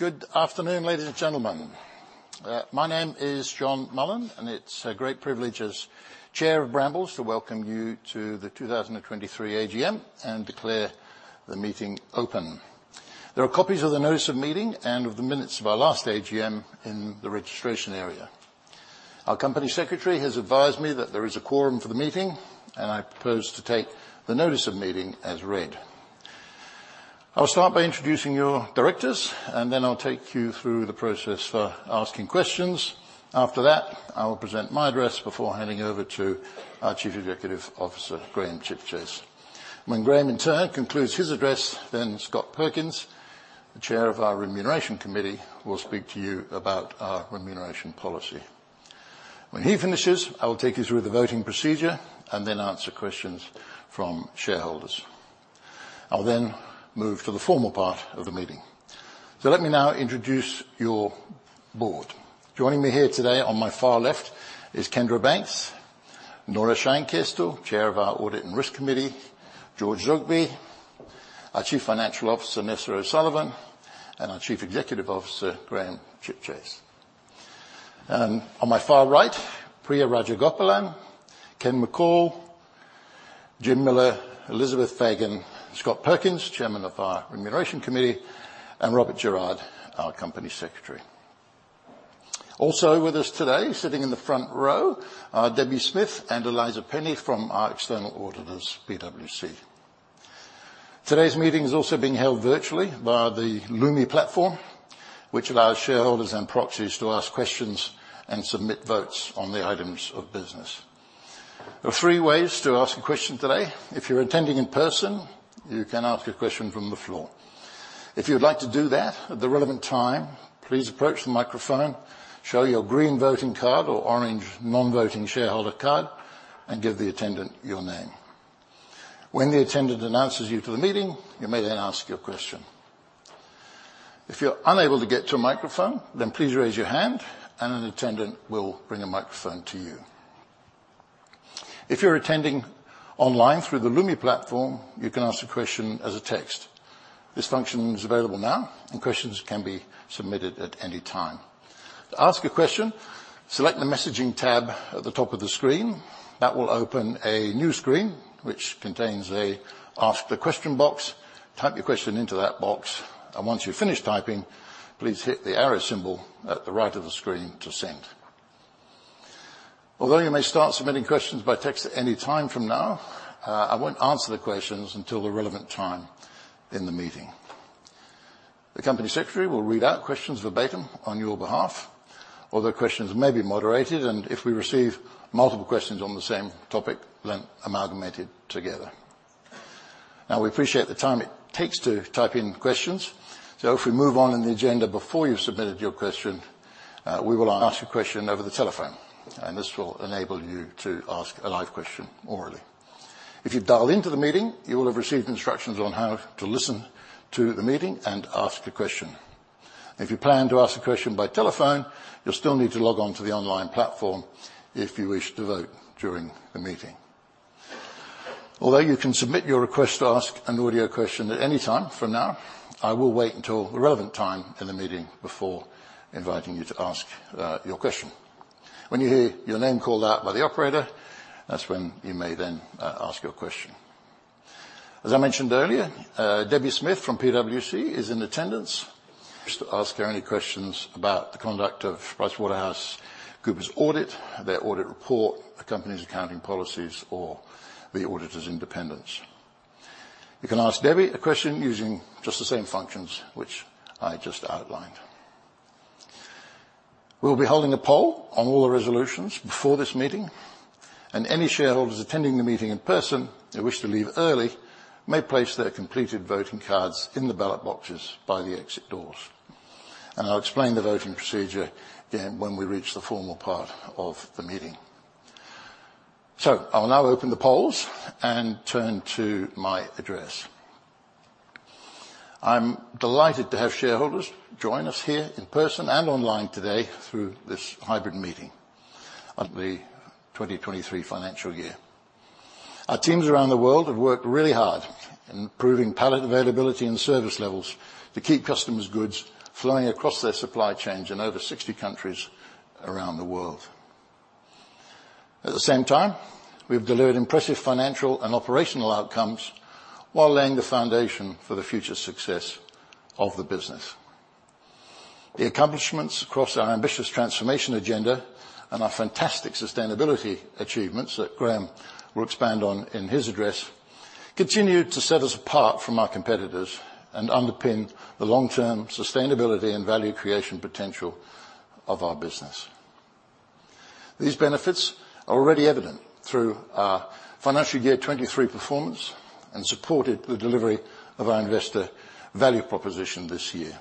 Good afternoon, ladies and gentlemen. My name is John Mullen, and it's a great privilege as Chair of Brambles to welcome you to the 2023 AGM and declare the meeting open. There are copies of the notice of meeting and of the minutes of our last AGM in the registration area. Our company secretary has advised me that there is a quorum for the meeting, and I propose to take the notice of meeting as read. I'll start by introducing your directors, and then I'll take you through the process for asking questions. After that, I will present my address before handing over to our Chief Executive Officer, Graham Chipchase. When Graham, in turn, concludes his address, then Scott Perkins, the Chair of our Remuneration Committee, will speak to you about our remuneration policy. When he finishes, I will take you through the voting procedure and then answer questions from shareholders. I'll then move to the formal part of the meeting. Let me now introduce your board. Joining me here today on my far left is Kendra Banks, Nora Scheinkestel, Chair of our Audit and Risk Committee, George El-Zoghbi, our Chief Financial Officer, Nessa O'Sullivan, and our Chief Executive Officer, Graham Chipchase. On my far right, Priya Rajagopalan, Ken McCall, Jim Miller, Elizabeth Fagan, Scott Perkins, Chairman of our Remuneration Committee, and Robert Gerrard, our Company Secretary. Also with us today, sitting in the front row, are Debbie Smith and Eliza Penny from our external auditors, PwC. Today's meeting is also being held virtually via the Lumi platform, which allows shareholders and proxies to ask questions and submit votes on the items of business. There are three ways to ask a question today. If you're attending in person, you can ask a question from the floor. If you'd like to do that, at the relevant time, please approach the microphone, show your green voting card or orange non-voting shareholder card, and give the attendant your name. When the attendant announces you to the meeting, you may then ask your question. If you're unable to get to a microphone, then please raise your hand, and an attendant will bring a microphone to you. If you're attending online through the Lumi platform, you can ask a question as a text. This function is available now, and questions can be submitted at any time. To ask a question, select the Messaging tab at the top of the screen. That will open a new screen, which contains an Ask the Question box. Type your question into that box, and once you've finished typing, please hit the arrow symbol at the right of the screen to send. Although you may start submitting questions by text at any time from now, I won't answer the questions until the relevant time in the meeting. The company secretary will read out questions verbatim on your behalf, or the questions may be moderated, and if we receive multiple questions on the same topic, then amalgamated together. Now, we appreciate the time it takes to type in questions, so if we move on in the agenda before you've submitted your question, we will ask your question over the telephone, and this will enable you to ask a live question orally. If you dial into the meeting, you will have received instructions on how to listen to the meeting and ask a question. If you plan to ask a question by telephone, you'll still need to log on to the online platform if you wish to vote during the meeting. Although you can submit your request to ask an audio question at any time, for now, I will wait until the relevant time in the meeting before inviting you to ask your question. When you hear your name called out by the operator, that's when you may then ask your question. As I mentioned earlier, Debbie Smith from PwC is in attendance. Just ask her any questions about the conduct of PricewaterhouseCoopers audit, their audit report, the company's accounting policies, or the auditor's independence. You can ask Debbie a question using just the same functions which I just outlined. We'll be holding a poll on all the resolutions before this meeting, and any shareholders attending the meeting in person who wish to leave early may place their completed voting cards in the ballot boxes by the exit doors. I'll explain the voting procedure again when we reach the formal part of the meeting. I'll now open the polls and turn to my address. I'm delighted to have shareholders join us here in person and online today through this hybrid meeting of the 2023 financial year. Our teams around the world have worked really hard in improving pallet availability and service levels to keep customers' goods flowing across their supply chains in over 60 countries around the world. At the same time, we've delivered impressive financial and operational outcomes while laying the foundation for the future success of the business. The accomplishments across our ambitious transformation agenda and our fantastic sustainability achievements that Graham will expand on in his address, continue to set us apart from our competitors and underpin the long-term sustainability and value creation potential of our business. These benefits are already evident through our financial year 2023 performance and supported the delivery of our investor value proposition this year.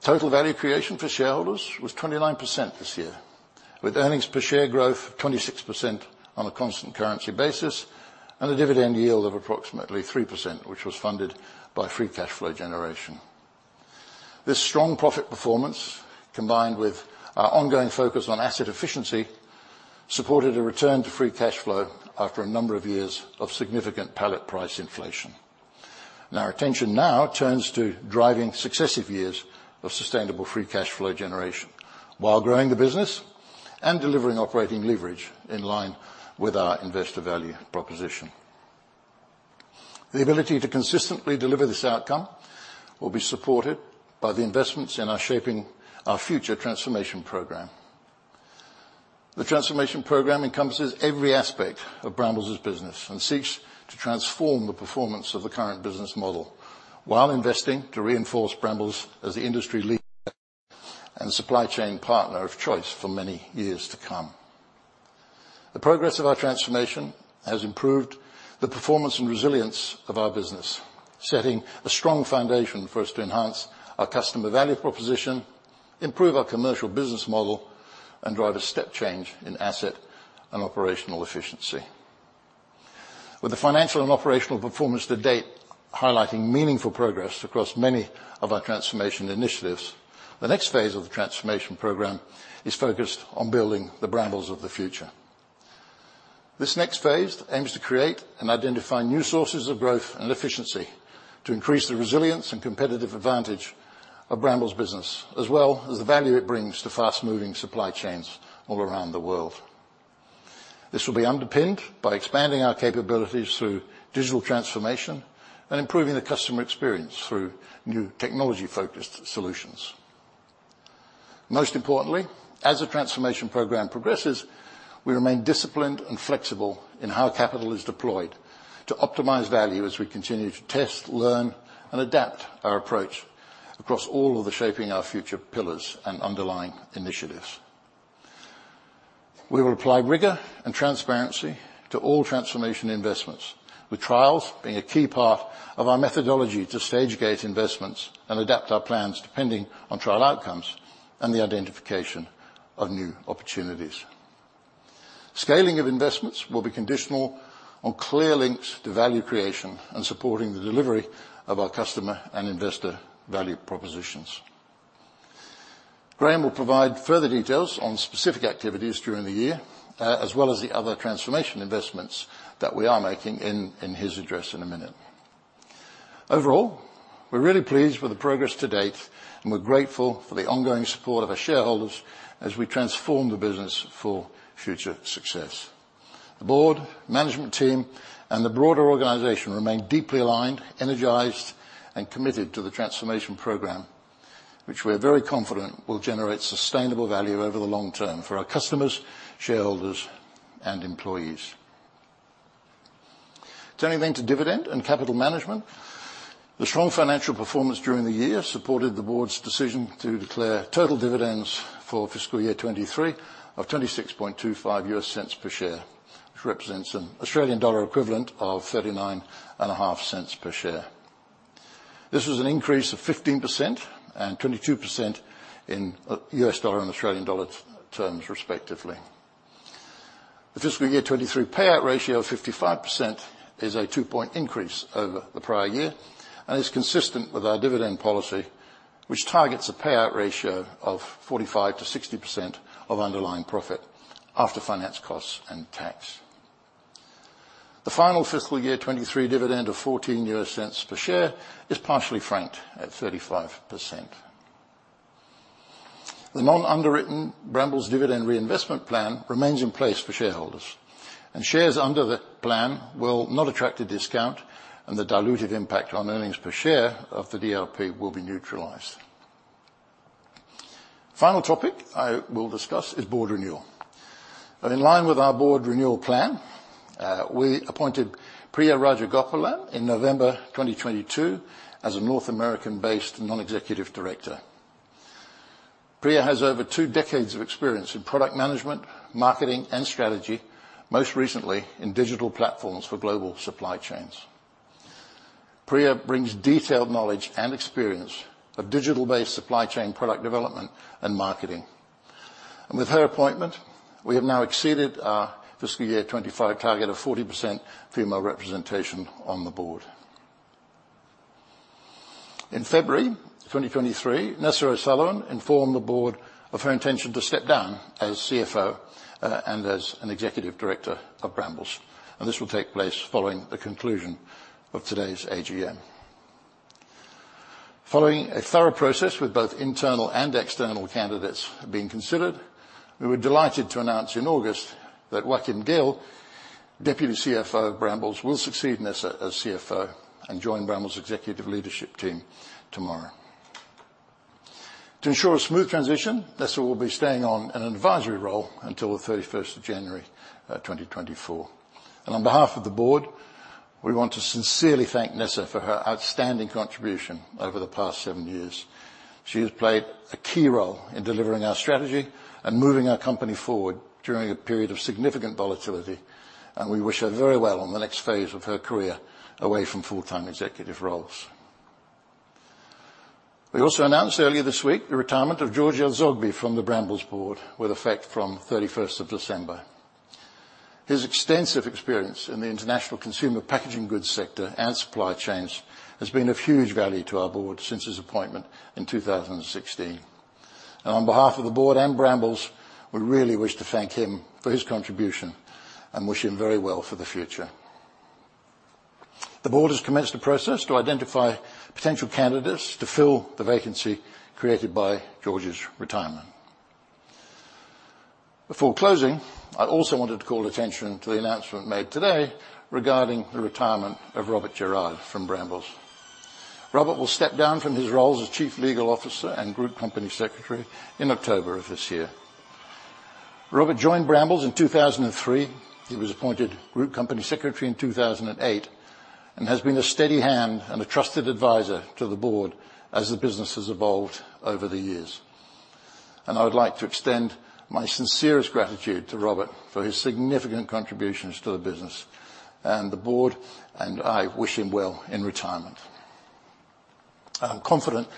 Total value creation for shareholders was 29% this year, with earnings per share growth of 26% on a constant currency basis and a dividend yield of approximately 3%, which was funded by free cash flow generation.... This strong profit performance, combined with our ongoing focus on asset efficiency, supported a return to free cash flow after a number of years of significant pallet price inflation. Our attention now turns to driving successive years of sustainable free cash flow generation, while growing the business and delivering operating leverage in line with our investor value proposition. The ability to consistently deliver this outcome will be supported by the investments in our Shaping Our Future transformation program. The transformation program encompasses every aspect of Brambles' business, and seeks to transform the performance of the current business model, while investing to reinforce Brambles as the industry leader and supply chain partner of choice for many years to come. The progress of our transformation has improved the performance and resilience of our business, setting a strong foundation for us to enhance our customer value proposition, improve our commercial business model, and drive a step change in asset and operational efficiency. With the financial and operational performance to date highlighting meaningful progress across many of our transformation initiatives, the next phase of the transformation program is focused on building the Brambles of the future. This next phase aims to create and identify new sources of growth and efficiency to increase the resilience and competitive advantage of Brambles' business, as well as the value it brings to fast-moving supply chains all around the world. This will be underpinned by expanding our capabilities through digital transformation and improving the customer experience through new technology-focused solutions. Most importantly, as the transformation program progresses, we remain disciplined and flexible in how capital is deployed to optimize value as we continue to test, learn, and adapt our approach across all of the Shaping Our Future pillars and underlying initiatives. We will apply rigor and transparency to all transformation investments, with trials being a key part of our methodology to stage-gate investments and adapt our plans depending on trial outcomes and the identification of new opportunities. Scaling of investments will be conditional on clear links to value creation and supporting the delivery of our customer and investor value propositions. Graham will provide further details on specific activities during the year, as well as the other transformation investments that we are making in his address in a minute. Overall, we're really pleased with the progress to date, and we're grateful for the ongoing support of our shareholders as we transform the business for future success. The board, management team, and the broader organization remain deeply aligned, energized, and committed to the transformation program, which we're very confident will generate sustainable value over the long term for our customers, shareholders, and employees. Turning then to dividend and capital management, the strong financial performance during the year supported the board's decision to declare total dividends for fiscal year 2023 of $0.2625 per share, which represents an Australian dollar equivalent of 0.395 per share. This was an increase of 15% and 22% in US dollar and Australian dollar terms, respectively. The fiscal year 2023 payout ratio of 55% is a two-point increase over the prior year, and is consistent with our dividend policy, which targets a payout ratio of 45%-60% of underlying profit after finance costs and tax. The final fiscal year 2023 dividend of $0.14 per share is partially franked at 35%. The non-underwritten Brambles dividend reinvestment plan remains in place for shareholders, and shares under the plan will not attract a discount, and the dilutive impact on earnings per share of the DRP will be neutralized. Final topic I will discuss is board renewal. In line with our board renewal plan, we appointed Priya Rajagopalan in November 2022 as a North American-based non-executive director. Priya has over two decades of experience in product management, marketing, and strategy, most recently in digital platforms for global supply chains. Priya brings detailed knowledge and experience of digital-based supply chain product development and marketing. And with her appointment, we have now exceeded our fiscal year 2025 target of 40% female representation on the board. In February 2023, Nessa O'Sullivan informed the board of her intention to step down as CFO, and as an executive director of Brambles, and this will take place following the conclusion of today's AGM. Following a thorough process with both internal and external candidates being considered, we were delighted to announce in August that Joaquin Gil, Deputy CFO of Brambles, will succeed Nessa as CFO and join Brambles' executive leadership team tomorrow. To ensure a smooth transition, Nessa will be staying on in an advisory role until the thirty-first of January 2024. On behalf of the board, we want to sincerely thank Nessa for her outstanding contribution over the past seven years. She has played a key role in delivering our strategy and moving our company forward during a period of significant volatility, and we wish her very well on the next phase of her career away from full-time executive roles. We also announced earlier this week the retirement of George El-Zoghbi from the Brambles board, with effect from thirty-first of December. His extensive experience in the international consumer packaging goods sector and supply chains has been of huge value to our board since his appointment in 2016. And on behalf of the board and Brambles, we really wish to thank him for his contribution and wish him very well for the future. The board has commenced a process to identify potential candidates to fill the vacancy created by George's retirement. Before closing, I also wanted to call attention to the announcement made today regarding the retirement of Robert Gerrard from Brambles. Robert will step down from his roles as Chief Legal Officer and Group Company Secretary in October of this year. Robert joined Brambles in 2003. He was appointed Group Company Secretary in 2008, and has been a steady hand and a trusted advisor to the board as the business has evolved over the years. I would like to extend my sincerest gratitude to Robert for his significant contributions to the business, and the board, and I wish him well in retirement. I'm confident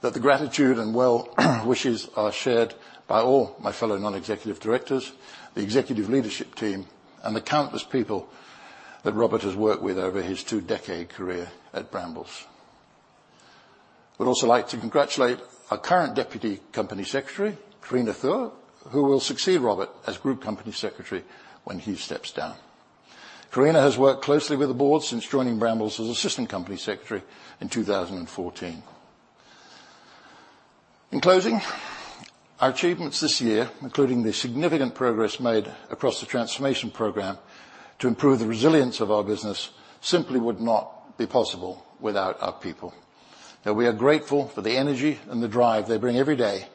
that the gratitude and well wishes are shared by all my fellow non-executive directors, the executive leadership team, and the countless people that Robert has worked with over his two-decade career at Brambles. I would also like to congratulate our current Deputy Company Secretary, Carina Thuaux, who will succeed Robert as Group Company Secretary when he steps down. Carina Thuaux has worked closely with the board since joining Brambles as Assistant Company Secretary in 2014. In closing, our achievements this year, including the significant progress made across the transformation program to improve the resilience of our business, simply would not be possible without our people. Now we are grateful for the energy and the drive they bring every day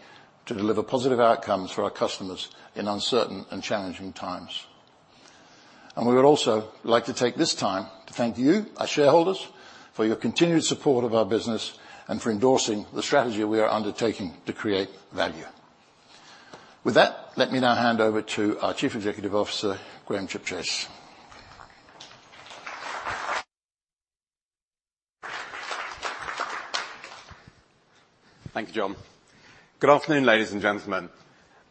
to deliver positive outcomes for our customers in uncertain and challenging times. We would also like to take this time to thank you, our shareholders, for your continued support of our business and for endorsing the strategy we are undertaking to create value. With that, let me now hand over to our Chief Executive Officer, Graham Chipchase. Thank you, John. Good afternoon, ladies and gentlemen.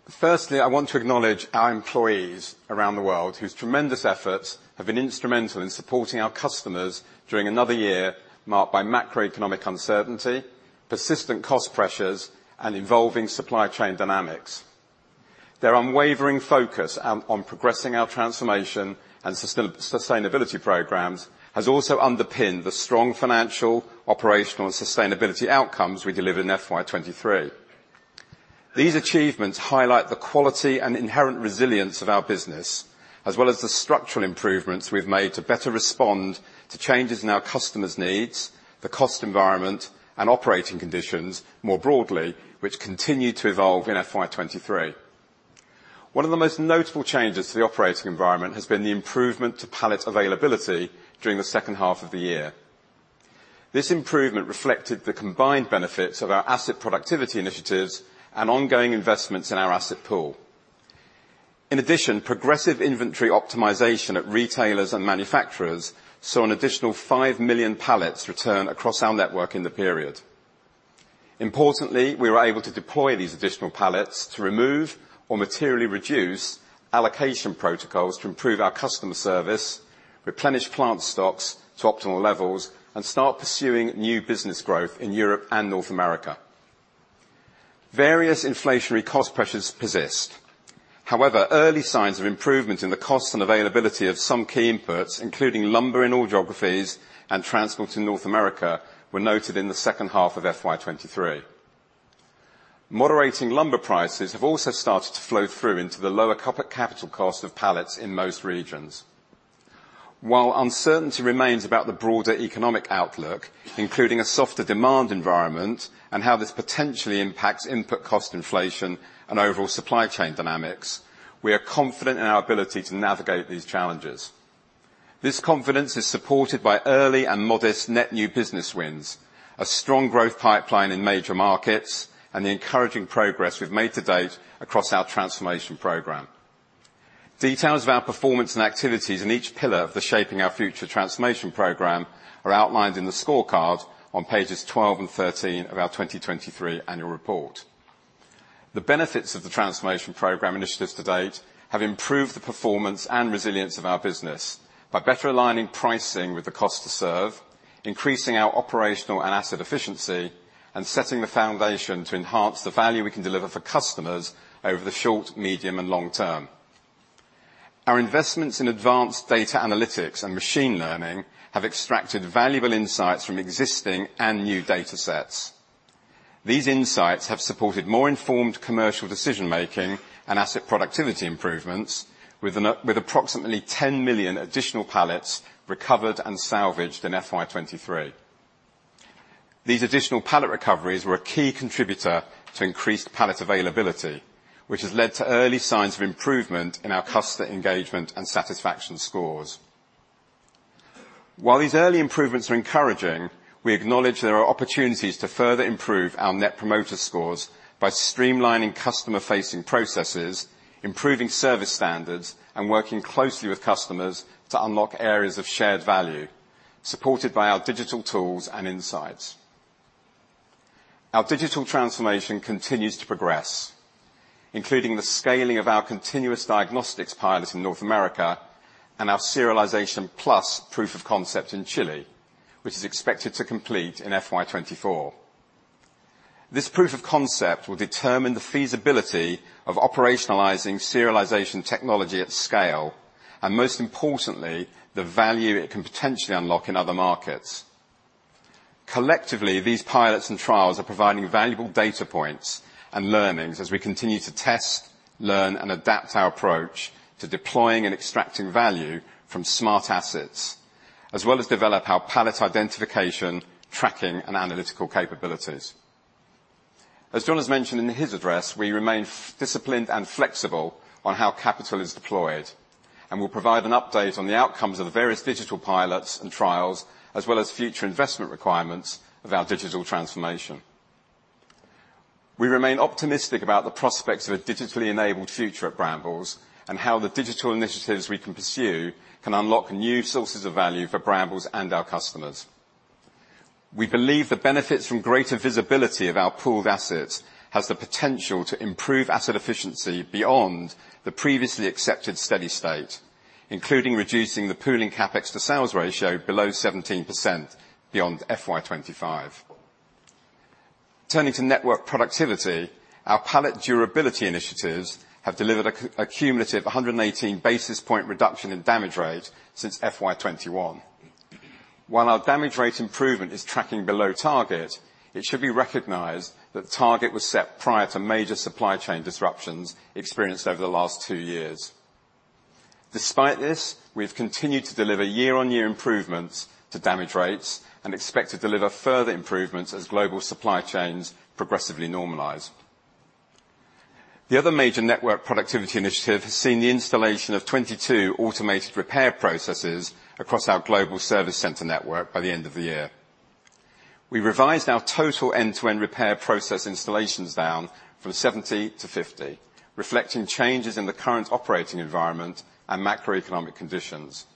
Firstly, I want to acknowledge our employees around the world, whose tremendous efforts have been instrumental in supporting our customers during another year marked by macroeconomic uncertainty, persistent cost pressures, and evolving supply chain dynamics. Their unwavering focus on progressing our transformation and sustainability programs has also underpinned the strong financial, operational, and sustainability outcomes we deliver in FY 2023. These achievements highlight the quality and inherent resilience of our business, as well as the structural improvements we've made to better respond to changes in our customers' needs, the cost environment, and operating conditions more broadly, which continued to evolve in FY 2023. One of the most notable changes to the operating environment has been the improvement to pallet availability during the second half of the year. This improvement reflected the combined benefits of our asset productivity initiatives and ongoing investments in our asset pool. In addition, progressive inventory optimization at retailers and manufacturers saw an additional 5 million pallets return across our network in the period. Importantly, we were able to deploy these additional pallets to remove or materially reduce allocation protocols to improve our customer service, replenish plant stocks to optimal levels, and start pursuing new business growth in Europe and North America. Various inflationary cost pressures persist. However, early signs of improvement in the cost and availability of some key inputs, including lumber in all geographies and transport in North America, were noted in the second half of FY 2023. Moderating lumber prices have also started to flow through into the lower capital cost of pallets in most regions. While uncertainty remains about the broader economic outlook, including a softer demand environment and how this potentially impacts input cost inflation and overall supply chain dynamics, we are confident in our ability to navigate these challenges. This confidence is supported by early and modest net new business wins, a strong growth pipeline in major markets, and the encouraging progress we've made to date across our transformation program. Details of our performance and activities in each pillar of the Shaping Our Future transformation program are outlined in the scorecard on pages 12 and 13 of our 2023 annual report. The benefits of the transformation program initiatives to date have improved the performance and resilience of our business by better aligning pricing with the cost to serve, increasing our operational and asset efficiency, and setting the foundation to enhance the value we can deliver for customers over the short, medium, and long term. Our investments in advanced data analytics and machine learning have extracted valuable insights from existing and new data sets. These insights have supported more informed commercial decision-making and asset productivity improvements, with approximately 10 million additional pallets recovered and salvaged in FY 2023. These additional pallet recoveries were a key contributor to increased pallet availability, which has led to early signs of improvement in our customer engagement and satisfaction scores. While these early improvements are encouraging, we acknowledge there are opportunities to further improve our net promoter scores by streamlining customer-facing processes, improving service standards, and working closely with customers to unlock areas of shared value, supported by our digital tools and insights. Our digital transformation continues to progress, including the scaling of our Continuous Diagnostics pilot in North America and our Serialization+ proof of concept in Chile, which is expected to complete in FY 2024. This proof of concept will determine the feasibility of operationalizing serialization technology at scale, and most importantly, the value it can potentially unlock in other markets. Collectively, these pilots and trials are providing valuable data points and learnings as we continue to test, learn, and adapt our approach to deploying and extracting value from smart assets, as well as develop our pallet identification, tracking, and analytical capabilities. As John has mentioned in his address, we remain disciplined and flexible on how capital is deployed, and we'll provide an update on the outcomes of the various digital pilots and trials, as well as future investment requirements of our digital transformation. We remain optimistic about the prospects of a digitally enabled future at Brambles, and how the digital initiatives we can pursue can unlock new sources of value for Brambles and our customers. We believe the benefits from greater visibility of our pooled assets has the potential to improve asset efficiency beyond the previously accepted steady state, including reducing the pooling CapEx to sales ratio below 17% beyond FY 25. Turning to network productivity, our pallet durability initiatives have delivered a cumulative 118 basis point reduction in damage rate since FY 21. While our damage rate improvement is tracking below target, it should be recognized that the target was set prior to major supply chain disruptions experienced over the last two years. Despite this, we've continued to deliver year-on-year improvements to damage rates and expect to deliver further improvements as global supply chains progressively normalize. The other major network productivity initiative has seen the installation of 22 automated repair processes across our global service center network by the end of the year. We revised our total end-to-end repair process installations down from 70 to 50, reflecting changes in the current operating environment and macroeconomic conditions.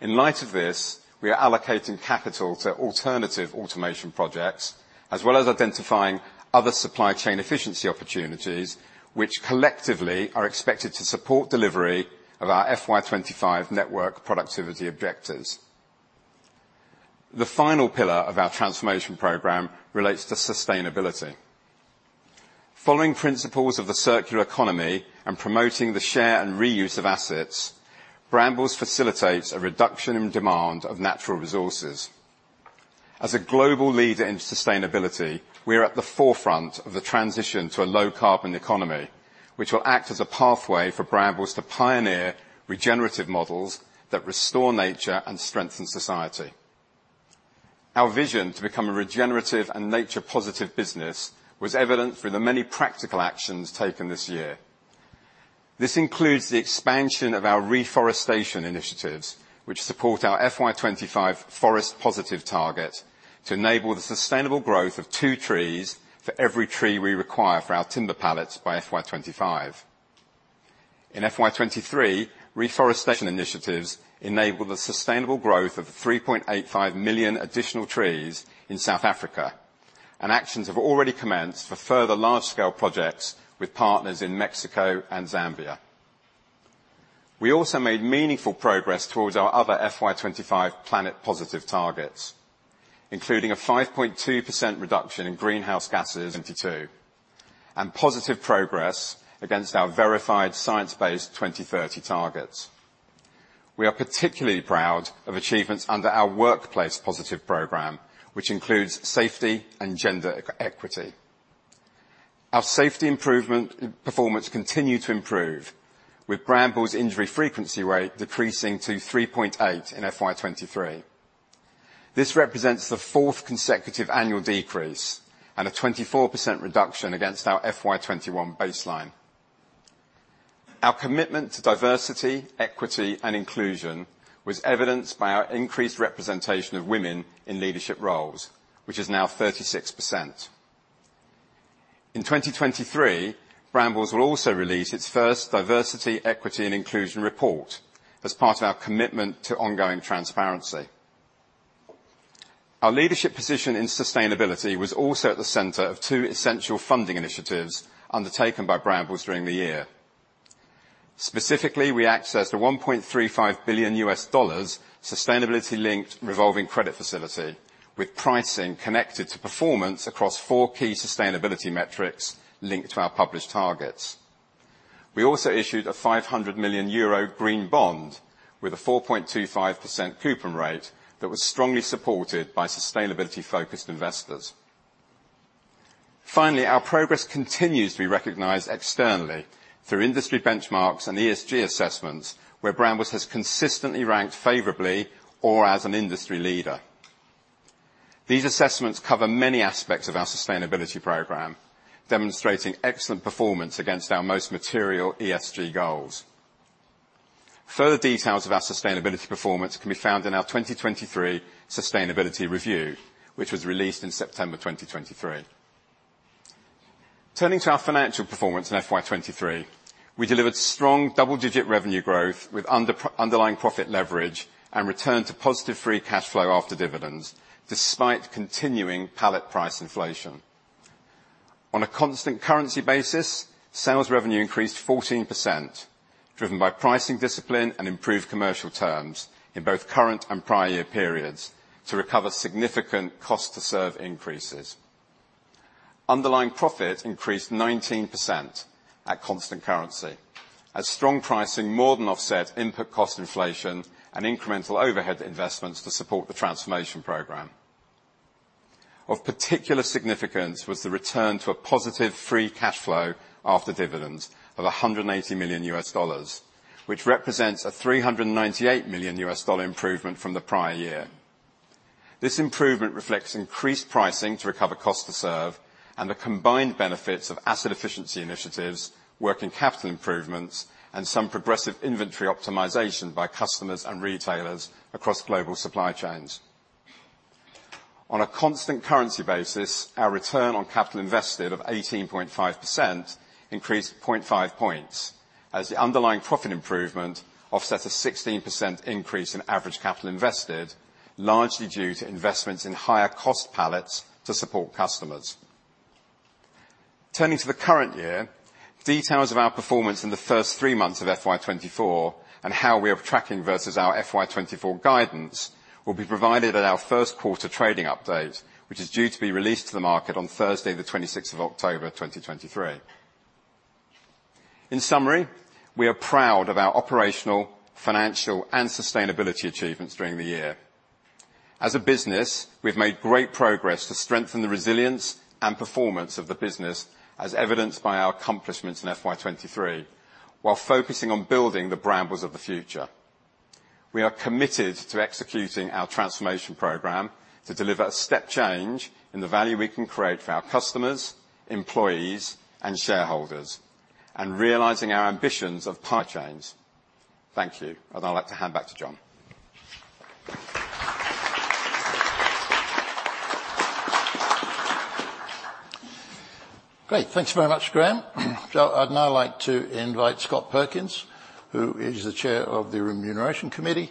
In light of this, we are allocating capital to alternative automation projects, as well as identifying other supply chain efficiency opportunities, which collectively are expected to support delivery of our FY 25 network productivity objectives. The final pillar of our transformation program relates to sustainability. Following principles of the circular economy and promoting the share and reuse of assets, Brambles facilitates a reduction in demand of natural resources. As a global leader in sustainability, we are at the forefront of the transition to a low-carbon economy, which will act as a pathway for Brambles to pioneer regenerative models that restore nature and strengthen society. Our vision to become a regenerative and nature-positive business was evident through the many practical actions taken this year. This includes the expansion of our reforestation initiatives, which support our FY 25 Forest Positive target to enable the sustainable growth of two trees for every tree we require for our timber pallets by FY 25. In FY 23, reforestation initiatives enabled the sustainable growth of 3.85 million additional trees in South Africa, and actions have already commenced for further large-scale projects with partners in Mexico and Zambia. We also made meaningful progress towards our other FY 25 Planet Positive targets, including a 5.2% reduction in greenhouse gases in 2022, and positive progress against our verified science-based 2030 targets. We are particularly proud of achievements under our Workplace Positive program, which includes safety and gender equity. Our safety improvement performance continued to improve, with Brambles' injury frequency rate decreasing to 3.8 in FY 23. This represents the fourth consecutive annual decrease and a 24% reduction against our FY 21 baseline. Our commitment to diversity, equity, and inclusion was evidenced by our increased representation of women in leadership roles, which is now 36%. In 2023, Brambles will also release its first Diversity, Equity, and Inclusion Report as part of our commitment to ongoing transparency. Our leadership position in sustainability was also at the center of two essential funding initiatives undertaken by Brambles during the year. Specifically, we accessed a $1.35 billion sustainability-linked revolving credit facility, with pricing connected to performance across four key sustainability metrics linked to our published targets. We also issued a 500 million euro green bond with a 4.25% coupon rate that was strongly supported by sustainability-focused investors. Finally, our progress continues to be recognized externally through industry benchmarks and ESG assessments, where Brambles has consistently ranked favorably or as an industry leader. These assessments cover many aspects of our sustainability program, demonstrating excellent performance against our most material ESG goals. Further details of our sustainability performance can be found in our 2023 Sustainability Review, which was released in September 2023. Turning to our financial performance in FY 2023, we delivered strong double-digit revenue growth with underlying profit leverage and returned to positive free cash flow after dividends, despite continuing pallet price inflation. On a constant currency basis, sales revenue increased 14%, driven by pricing discipline and improved commercial terms in both current and prior year periods to recover significant cost to serve increases. Underlying profit increased 19% at constant currency, as strong pricing more than offset input cost inflation and incremental overhead investments to support the transformation program. Of particular significance was the return to a positive free cash flow after dividends of $180 million, which represents a $398 million improvement from the prior year. This improvement reflects increased pricing to recover cost to serve, and the combined benefits of asset efficiency initiatives, working capital improvements, and some progressive inventory optimization by customers and retailers across global supply chains. On a constant currency basis, our return on capital invested of 18.5% increased 0.5 points, as the underlying profit improvement offset a 16% increase in average capital invested, largely due to investments in higher cost pallets to support customers. Turning to the current year, details of our performance in the first 3 months of FY 2024 and how we are tracking versus our FY 2024 guidance will be provided at our first quarter trading update, which is due to be released to the market on Thursday, the 26th of October, 2023. In summary, we are proud of our operational, financial, and sustainability achievements during the year. As a business, we've made great progress to strengthen the resilience and performance of the business, as evidenced by our accomplishments in FY 2023, while focusing on building the Brambles of the future. We are committed to executing our transformation program to deliver a step change in the value we can create for our customers, employees, and shareholders, and realizing our ambitions of price] change. Thank you, and I'd like to hand back to John. Great. Thank you very much, Graham. So I'd now like to invite Scott Perkins, who is the Chair of the Remuneration Committee,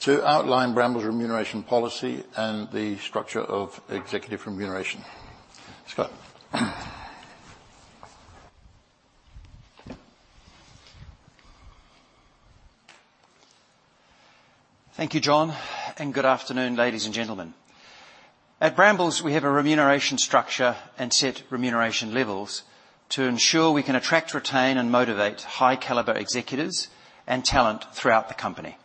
to outline Brambles' remuneration policy and the structure of executive remuneration. Scott? Thank you, John, and good afternoon, ladies and gentlemen. At Brambles, we have a remuneration structure and set remuneration levels to ensure we can attract, retain, and motivate high-caliber executives and talent throughout the company.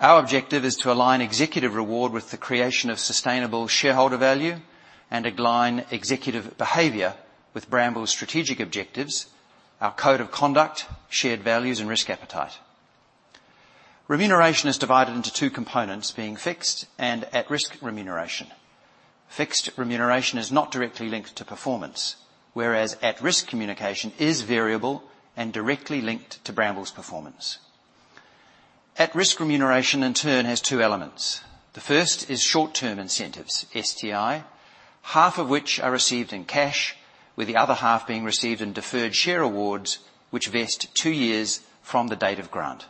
Our objective is to align executive reward with the creation of sustainable shareholder value and align executive behavior with Brambles' strategic objectives, our code of conduct, shared values, and risk appetite. Remuneration is divided into two components, being fixed and at-risk remuneration. Fixed remuneration is not directly linked to performance, whereas at-risk remuneration is variable and directly linked to Brambles' performance. At-risk remuneration, in turn, has two elements. The first is short-term incentives, STI, half of which are received in cash, with the other half being received in deferred share awards, which vest two years from the date of grant.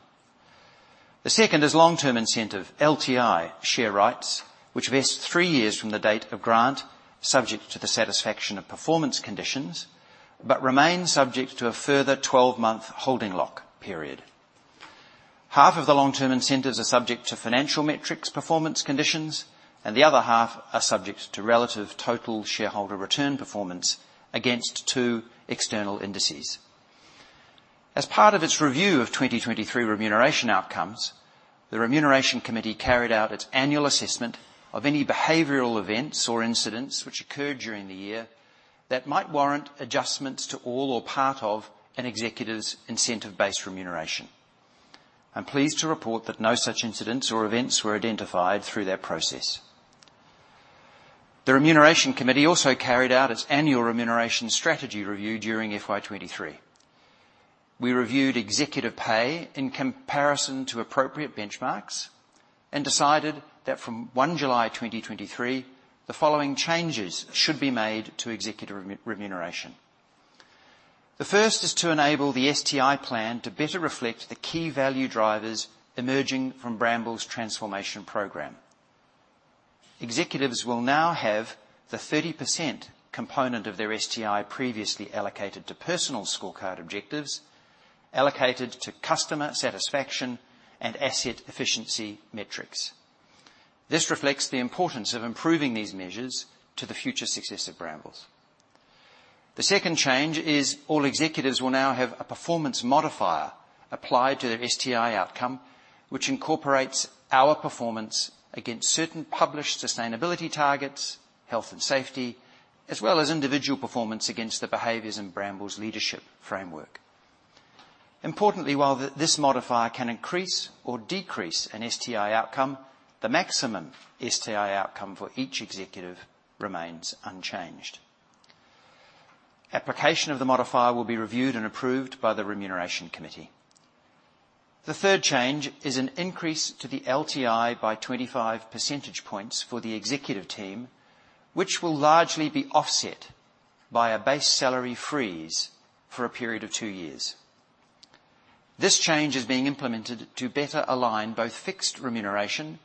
The second is long-term incentive, LTI, share rights, which vest 3 years from the date of grant, subject to the satisfaction of performance conditions, but remain subject to a further 12-month holding lock period. Half of the long-term incentives are subject to financial metrics, performance conditions, and the other half are subject to relative total shareholder return performance against 2 external indices. As part of its review of 2023 remuneration outcomes, the Remuneration Committee carried out its annual assessment of any behavioral events or incidents which occurred during the year that might warrant adjustments to all or part of an executive's incentive-based remuneration. I'm pleased to report that no such incidents or events were identified through that process. The Remuneration Committee also carried out its annual remuneration strategy review during FY 2023. We reviewed executive pay in comparison to appropriate benchmarks and decided that from 1 July 2023, the following changes should be made to executive remuneration. The first is to enable the STI plan to better reflect the key value drivers emerging from Brambles' transformation program. Executives will now have the 30% component of their STI previously allocated to personal scorecard objectives, allocated to customer satisfaction and asset efficiency metrics. This reflects the importance of improving these measures to the future success of Brambles. The second change is all executives will now have a performance modifier applied to their STI outcome, which incorporates our performance against certain published sustainability targets, health and safety, as well as individual performance against the behaviors in Brambles' leadership framework. Importantly, while this modifier can increase or decrease an STI outcome, the maximum STI outcome for each executive remains unchanged. Application of the modifier will be reviewed and approved by the Remuneration Committee. The third change is an increase to the LTI by 25 percentage points for the executive team, which will largely be offset by a base salary freeze for a period of 2 years. This change is being implemented to better align both fixed remuneration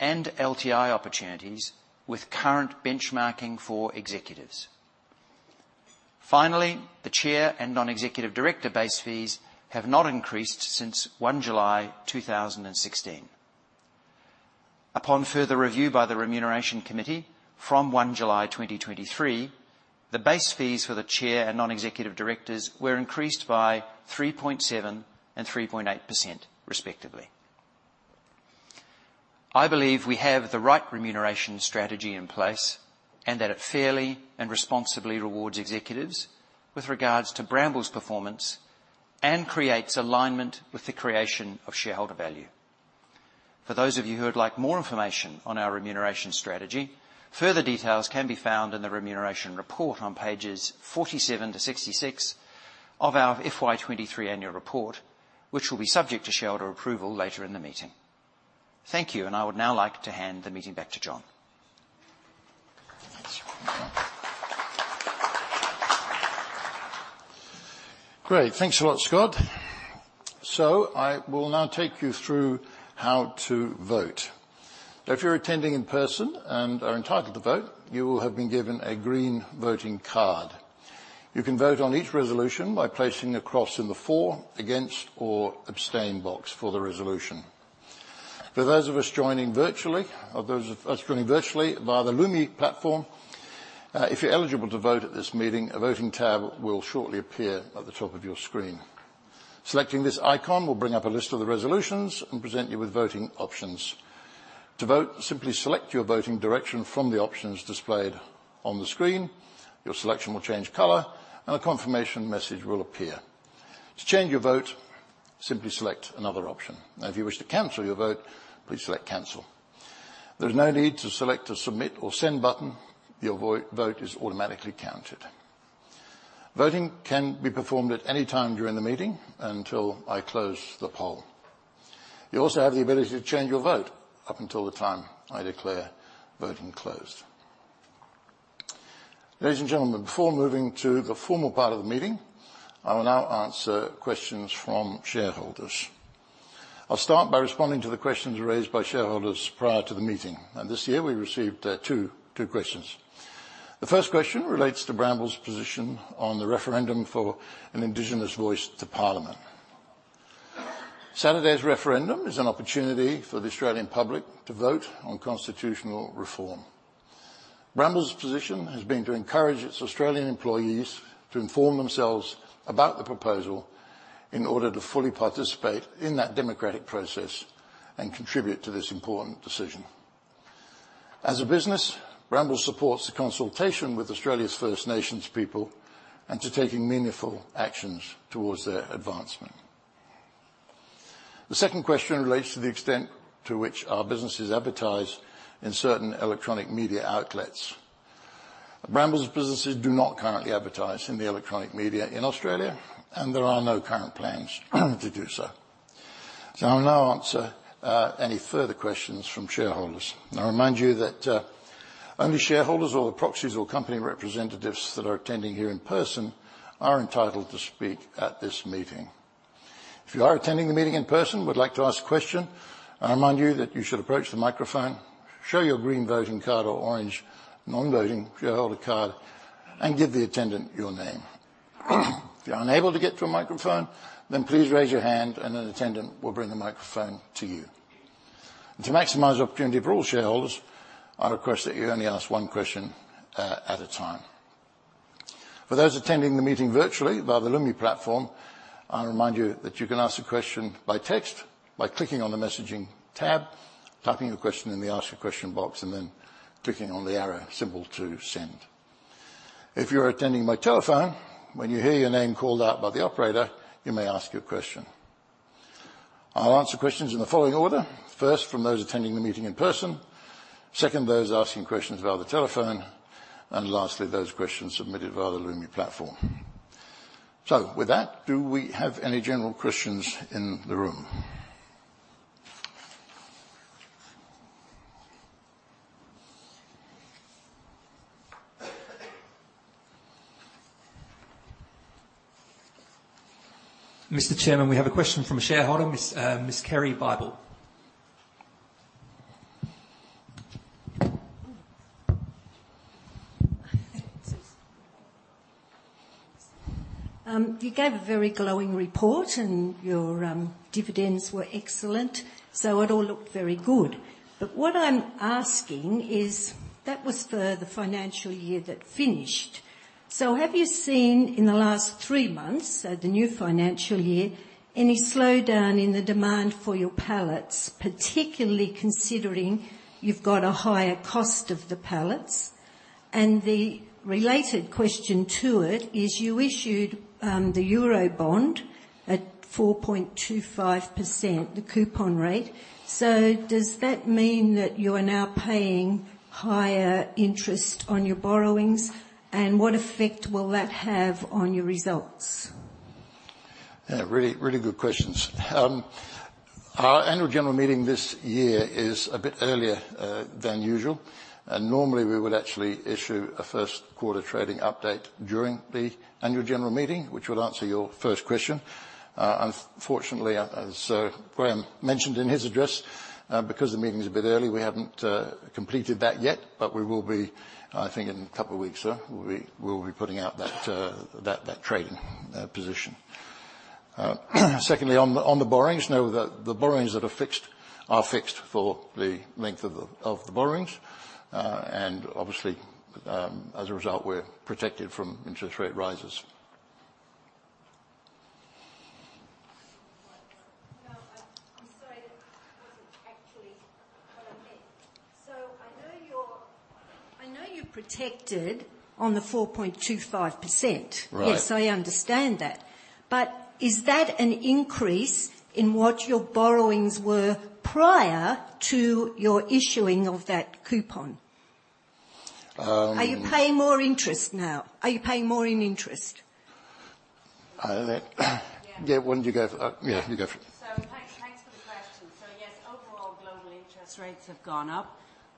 and LTI opportunities with current benchmarking for executives. Finally, the chair and non-executive director base fees have not increased since 1 July 2016. Upon further review by the Remuneration Committee, from 1 July 2023, the base fees for the chair and non-executive directors were increased by 3.7% and 3.8%, respectively. I believe we have the right remuneration strategy in place, and that it fairly and responsibly rewards executives with regards to Brambles' performance, and creates alignment with the creation of shareholder value. For those of you who would like more information on our remuneration strategy, further details can be found in the remuneration report on pages 47 to 66 of our FY 23 annual report, which will be subject to shareholder approval later in the meeting. Thank you, and I would now like to hand the meeting back to John. Great. Thanks a lot, Scott. So I will now take you through how to vote. If you're attending in person and are entitled to vote, you will have been given a green voting card. You can vote on each resolution by placing a cross in the for, against, or abstain box for the resolution. For those of us joining virtually via the Lumi platform, if you're eligible to vote at this meeting, a voting tab will shortly appear at the top of your screen. Selecting this icon will bring up a list of the resolutions and present you with voting options. To vote, simply select your voting direction from the options displayed on the screen. Your selection will change color, and a confirmation message will appear. To change your vote, simply select another option. Now, if you wish to cancel your vote, please select Cancel. There is no need to select a Submit or Send button. Your vote is automatically counted. Voting can be performed at any time during the meeting until I close the poll. You also have the ability to change your vote up until the time I declare voting closed. Ladies and gentlemen, before moving to the formal part of the meeting, I will now answer questions from shareholders. I'll start by responding to the questions raised by shareholders prior to the meeting, and this year we received 2 questions. The first question relates to Brambles' position on the referendum for an indigenous voice to Parliament. Saturday's referendum is an opportunity for the Australian public to vote on constitutional reform. Brambles' position has been to encourage its Australian employees to inform themselves about the proposal in order to fully participate in that democratic process and contribute to this important decision. As a business, Brambles supports the consultation with Australia's First Nations people, and to taking meaningful actions towards their advancement. The second question relates to the extent to which our businesses advertise in certain electronic media outlets. Brambles' businesses do not currently advertise in the electronic media in Australia, and there are no current plans to do so. So I'll now answer any further questions from shareholders. I'll remind you that only shareholders or the proxies or company representatives that are attending here in person are entitled to speak at this meeting. If you are attending the meeting in person and would like to ask a question, I remind you that you should approach the microphone, show your green voting card or orange non-voting shareholder card, and give the attendant your name. If you're unable to get to a microphone, then please raise your hand, and an attendant will bring the microphone to you. To maximize opportunity for all shareholders, I request that you only ask one question at a time. For those attending the meeting virtually via the Lumi platform, I'll remind you that you can ask a question by text by clicking on the Messaging tab, typing your question in the Ask a Question box, and then clicking on the arrow symbol to send. If you're attending by telephone, when you hear your name called out by the operator, you may ask your question. I'll answer questions in the following order: first, from those attending the meeting in person, second, those asking questions via the telephone, and lastly, those questions submitted via the Lumi platform. So with that, do we have any general questions in the room? Mr. Chairman, we have a question from a shareholder, Ms. Kerry Bible. You gave a very glowing report, and your dividends were excellent, so it all looked very good. But what I'm asking is, that was for the financial year that finished. So have you seen in the last three months, so the new financial year, any slowdown in the demand for your pallets, particularly considering you've got a higher cost of the pallets? And the related question to it is, you issued the Euro bond at 4.25%, the coupon rate, so does that mean that you are now paying higher interest on your borrowings, and what effect will that have on your results? Yeah, really, really good questions. Our annual general meeting this year is a bit earlier than usual, and normally we would actually issue a first quarter trading update during the annual general meeting, which would answer your first question. Unfortunately, as Graham mentioned in his address, because the meeting is a bit early, we haven't completed that yet, but we will be, I think in a couple of weeks, we'll be putting out that trading position. Secondly, on the borrowings, know that the borrowings that are fixed are fixed for the length of the borrowings. And obviously, as a result, we're protected from interest rate rises. No, I, I'm sorry, that wasn't actually what I meant. So I know you're, I know you're protected on the 4.25%. Right. Yes, I understand that, but is that an increase in what your borrowings were prior to your issuing of that coupon? Um- Are you paying more interest now? Are you paying more in interest? I let- Yeah. Yeah, why don't you go? Yeah, you go for it. So thanks, thanks for the question. So yes, overall, global interest rates have gone up,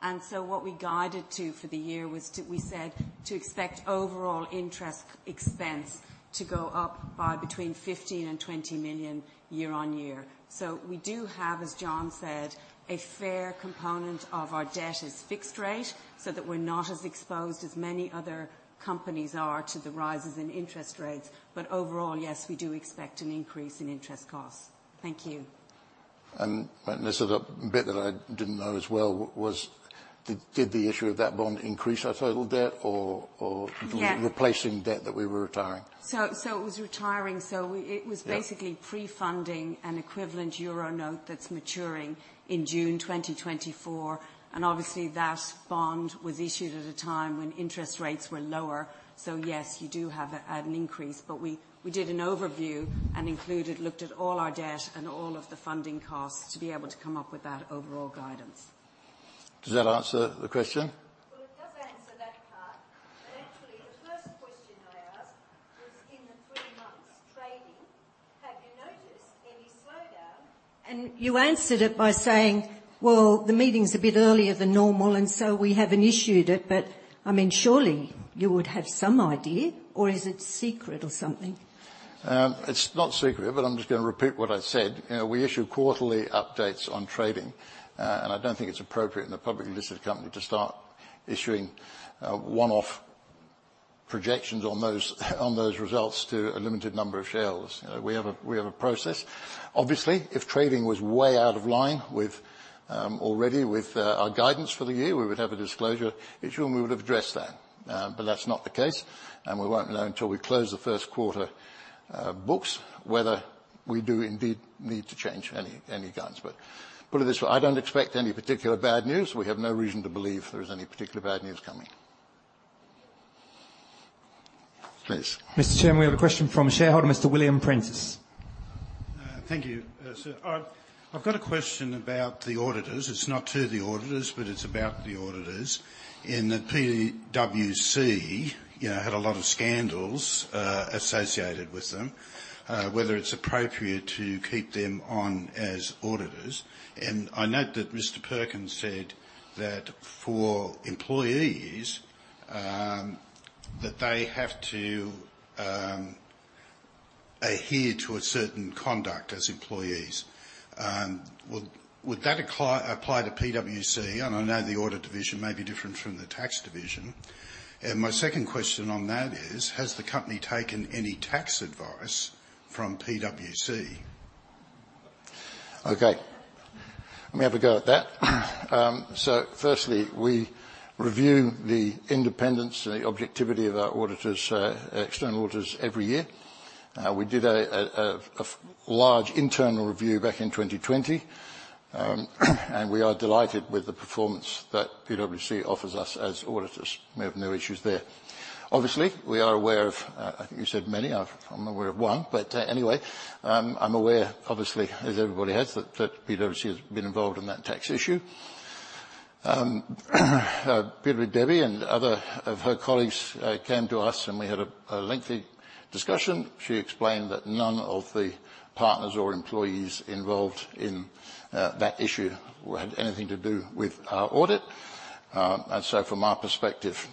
and so what we guided to for the year was to, we said, to expect overall interest expense to go up by between $15 million and $20 million year-over-year. So we do have, as John said, a fair component of our debt is fixed rate, so that we're not as exposed as many other companies are to the rises in interest rates. But overall, yes, we do expect an increase in interest costs. Thank you. This is a bit that I didn't know as well, was, did the issue of that bond increase our total debt or, or- Yeah replacing debt that we were retiring? So it was retiring. So we-it was basically pre-funding an equivalent euro note that's maturing in June 2024, and obviously that bond was issued at a time when interest rates were lower. So yes, you do have a, an increase, but we, we did an overview and included, looked at all our debt and all of the funding costs to be able to come up with that overall guidance. Does that answer the question? Well, it does answer that part, but actually, the first question I asked was in the three months trading, have you noticed any slowdown? And you answered it by saying, "Well, the meeting's a bit earlier than normal, and so we haven't issued it." But, I mean, surely you would have some idea, or is it secret or something? It's not secret, but I'm just going to repeat what I said. You know, we issue quarterly updates on trading, and I don't think it's appropriate in a publicly listed company to start issuing, one-off projections on those, on those results to a limited number of shareholders. You know, we have a, we have a process. Obviously, if trading was way out of line with, already with, our guidance for the year, we would have a disclosure issue, and we would have addressed that. But that's not the case, and we won't know until we close the first quarter, books, whether we do indeed need to change any, any guidance. But put it this way, I don't expect any particular bad news. We have no reason to believe there is any particular bad news coming. Please. Mr. Chairman, we have a question from shareholder, Mr. William Prentice. Thank you, sir. I've got a question about the auditors. It's not to the auditors, but it's about the auditors. In the PwC, you know, had a lot of scandals associated with them, whether it's appropriate to keep them on as auditors. And I note that Mr. Perkins said that for employees, that they have to adhere to a certain conduct as employees. Would that apply to PwC? And I know the audit division may be different from the tax division. And my second question on that is, has the company taken any tax advice from PwC? Okay, let me have a go at that. So firstly, we review the independence and the objectivity of our auditors, external auditors, every year. We did a large internal review back in 2020, and we are delighted with the performance that PwC offers us as auditors. We have no issues there. Obviously, we are aware of, I think you said many, I'm aware of one, but, anyway, I'm aware, obviously, as everybody is, that PwC has been involved in that tax issue. Peter Debbie and other of her colleagues came to us, and we had a lengthy discussion. She explained that none of the partners or employees involved in that issue had anything to do with our audit. And so from my perspective,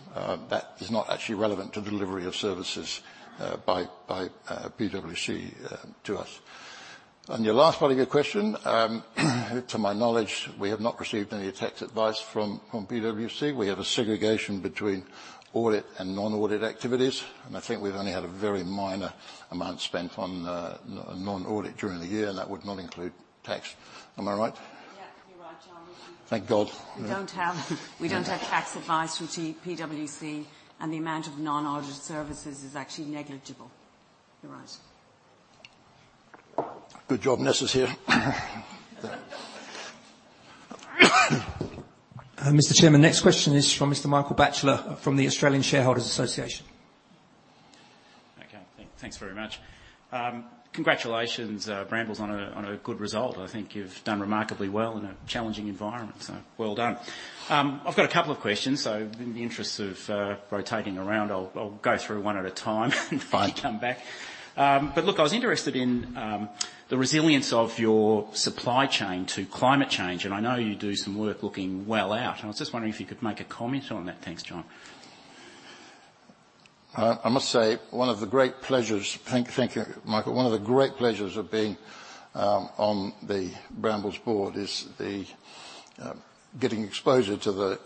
that is not actually relevant to the delivery of services by PwC to us. On your last part of your question, to my knowledge, we have not received any tax advice from PwC. We have a segregation between audit and non-audit activities, and I think we've only had a very minor amount spent on non-audit during the year, and that would not include tax. Am I right? Yeah, you're right, John. Thank God. We don't have tax advice from PwC, and the amount of non-audit services is actually negligible. You're right. Good job Nessa's here. Mr. Chairman, next question is from Mr. Michael Batchelor from the Australian Shareholders Association. Thanks very much. Congratulations, Brambles, on a good result. I think you've done remarkably well in a challenging environment, so well done. I've got a couple of questions, so in the interests of rotating around, I'll go through one at a time and probably come back. But look, I was interested in the resilience of your supply chain to climate change, and I know you do some work looking well out, and I was just wondering if you could make a comment on that. Thanks, John. I must say, one of the great pleasures—thank you, Michael. One of the great pleasures of being on the Brambles board is getting exposure to the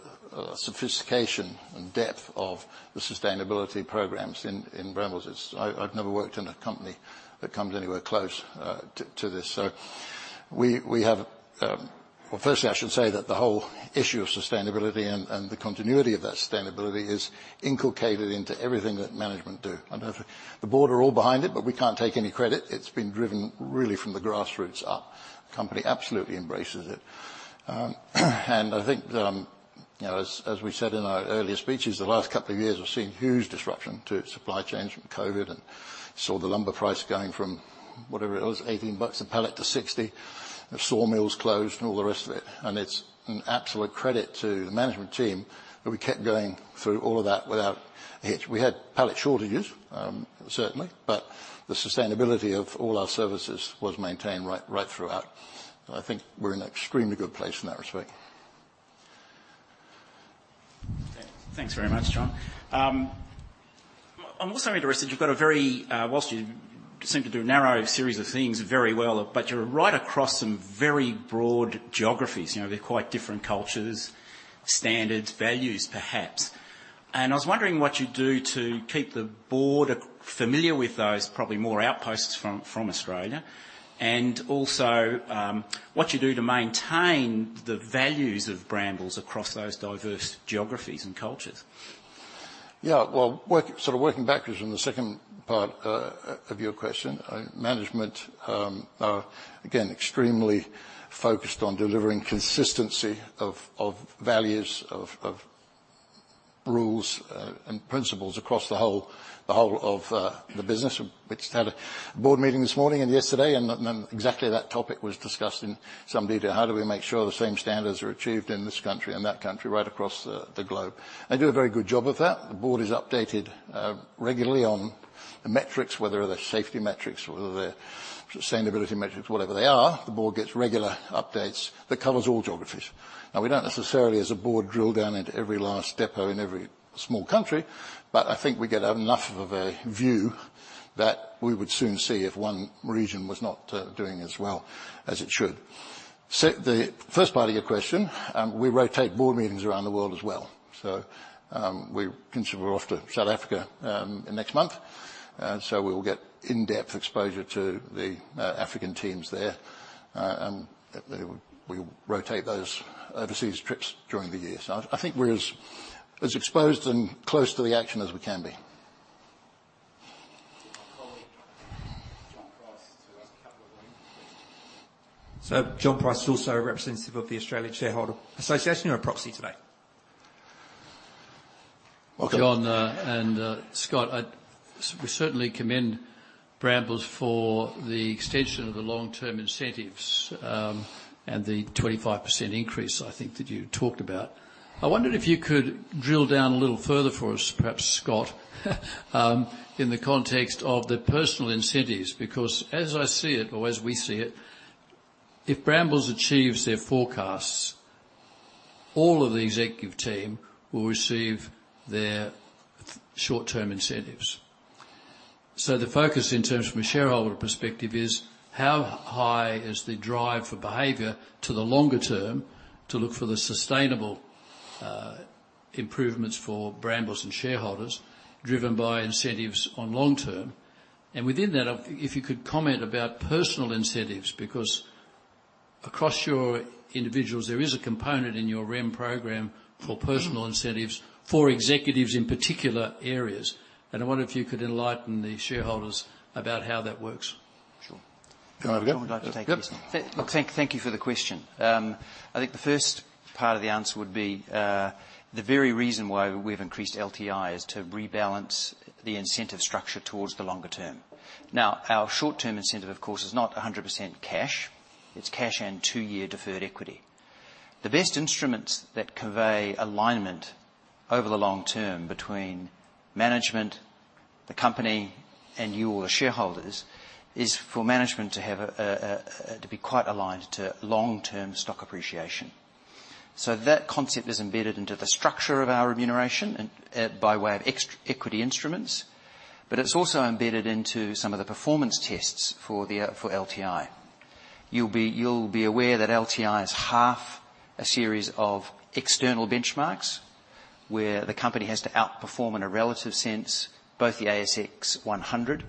sophistication and depth of the sustainability programs in Brambles. I've never worked in a company that comes anywhere close to this. We have... Well, firstly, I should say that the whole issue of sustainability and the continuity of that sustainability is inculcated into everything that management do. I know the board are all behind it, but we can't take any credit. It's been driven really from the grassroots up. The company absolutely embraces it. And I think, you know, as, as we said in our earlier speeches, the last couple of years, we've seen huge disruption to supply chains from COVID, and saw the lumber price going from whatever it was, $18 a pallet to $60. The sawmills closed and all the rest of it, and it's an absolute credit to the management team that we kept going through all of that without a hitch. We had pallet shortages, certainly, but the sustainability of all our services was maintained right, right throughout. And I think we're in an extremely good place in that respect. Thanks very much, John. I'm also interested, you've got a very... Whilst you seem to do a narrow series of things very well, but you're right across some very broad geographies. You know, they're quite different cultures, standards, values, perhaps. And I was wondering what you do to keep the board familiar with those, probably more outposts from, from Australia, and also, what you do to maintain the values of Brambles across those diverse geographies and cultures. Yeah, well, work, sort of working backwards on the second part of your question. Management are, again, extremely focused on delivering consistency of values, of rules and principles across the whole of the business. We just had a board meeting this morning and yesterday, and then exactly that topic was discussed in some detail. How do we make sure the same standards are achieved in this country and that country right across the globe? They do a very good job of that. The board is updated regularly on the metrics, whether they're safety metrics, whether they're sustainability metrics, whatever they are, the board gets regular updates that covers all geographies. Now, we don't necessarily, as a board, drill down into every last depot in every small country, but I think we get enough of a view that we would soon see if one region was not doing as well as it should. So the first part of your question, we rotate board meetings around the world as well. So, we consider we're off to South Africa next month, so we will get in-depth exposure to the African teams there. And, we rotate those overseas trips during the year. So I think we're as exposed and close to the action as we can be. My colleague, John Price, who has a couple of things. [inaudible] John Price is also a representative of the Australian Shareholders Association and a proxy today. Welcome. John, and Scott, I, we certainly commend Brambles for the extension of the long-term incentives, and the 25% increase, I think, that you talked about. I wondered if you could drill down a little further for us, perhaps, Scott, in the context of the personal incentives, because as I see it, or as we see it, if Brambles achieves their forecasts, all of the executive team will receive their short-term incentives. The focus in terms from a shareholder perspective is, how high is the drive for behavior to the longer term to look for the sustainable improvements for Brambles and shareholders, driven by incentives on long term? Within that, if you could comment about personal incentives, because across your individuals, there is a component in your REM program for personal incentives for executives in particular areas. I wonder if you could enlighten the shareholders about how that works? Sure. Do you want to take this? Yep. Thank you for the question. I think the first part of the answer would be the very reason why we've increased LTI is to rebalance the incentive structure towards the longer term. Now, our short-term incentive, of course, is not 100% cash. It's cash and two-year deferred equity. The best instruments that convey alignment over the long term between management, the company, and you, the shareholders, is for management to have to be quite aligned to long-term stock appreciation. So that concept is embedded into the structure of our remuneration and by way of equity instruments, but it's also embedded into some of the performance tests for LTI. You'll be, you'll be aware that LTI is half a series of external benchmarks, where the company has to outperform in a relative sense, both the ASX 100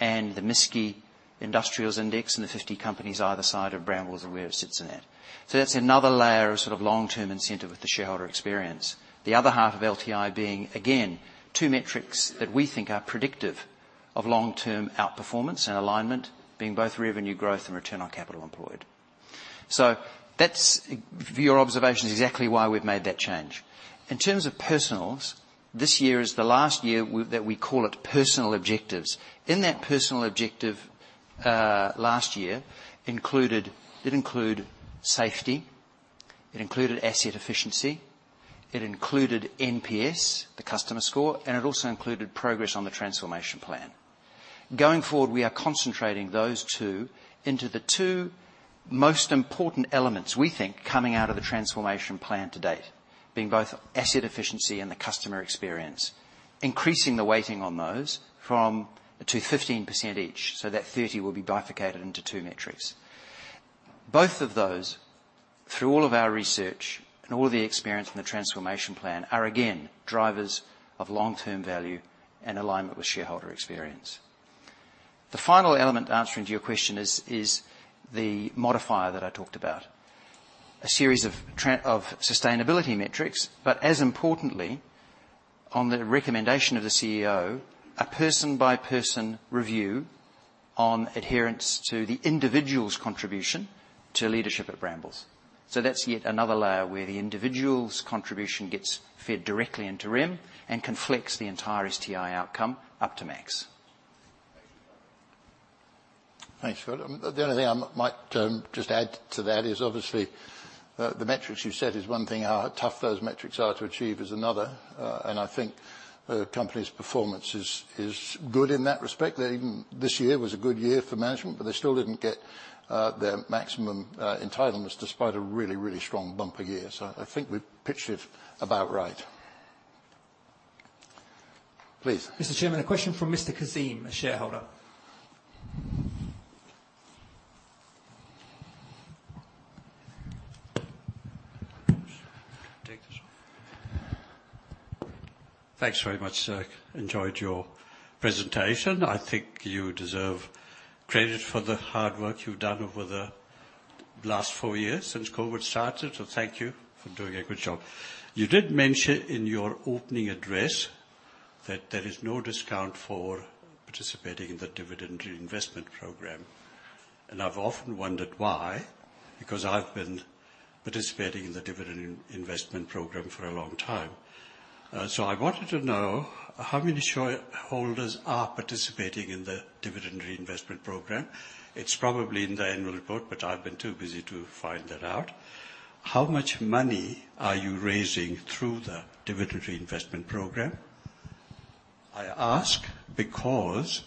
and the MSCI Industrials Index, and the 50 companies either side of Brambles and where it sits in that. That's another layer of sort of long-term incentive with the shareholder experience. The other half of LTI being, again, two metrics that we think are predictive of long-term outperformance and alignment being both revenue growth and return on capital employed. That's, your observation is exactly why we've made that change. In terms of personals, this year is the last year that we call it personal objectives. In that personal objective, last year, included-- it included safety, it included asset efficiency, it included NPS, the customer score, and it also included progress on the transformation plan. Going forward, we are concentrating those two into the two most important elements, we think, coming out of the transformation plan to date, being both asset efficiency and the customer experience, increasing the weighting on those from, to 15% each, so that 30 will be bifurcated into two metrics. Both of those, through all of our research and all of the experience in the transformation plan, are again, drivers of long-term value and alignment with shareholder experience. The final element, answering to your question, is the modifier that I talked about. A series of sustainability metrics, but as importantly, on the recommendation of the CEO, a person-by-person review on adherence to the individual's contribution to leadership at Brambles. So that's yet another layer where the individual's contribution gets fed directly into REM and can flex the entire STI outcome up to max. Thanks, Phil. The only thing I might just add to that is, obviously, the metrics you set is one thing, how tough those metrics are to achieve is another. And I think the company's performance is, is good in that respect, that even this year was a good year for management, but they still didn't get their maximum entitlements, despite a really, really strong bumper year. So I think we've pitched it about right. Please. Mr. Chairman, a question from Mr. Kazim, a shareholder. Take this. Thanks very much, sir. Enjoyed your presentation. I think you deserve credit for the hard work you've done over the last four years since COVID started, so thank you for doing a good job. You did mention in your opening address that there is no discount for participating in the dividend reinvestment program, and I've often wondered why, because I've been participating in the dividend investment program for a long time. So I wanted to know how many shareholders are participating in the dividend reinvestment program? It's probably in the annual report, but I've been too busy to find that out. How much money are you raising through the dividend reinvestment program? I ask because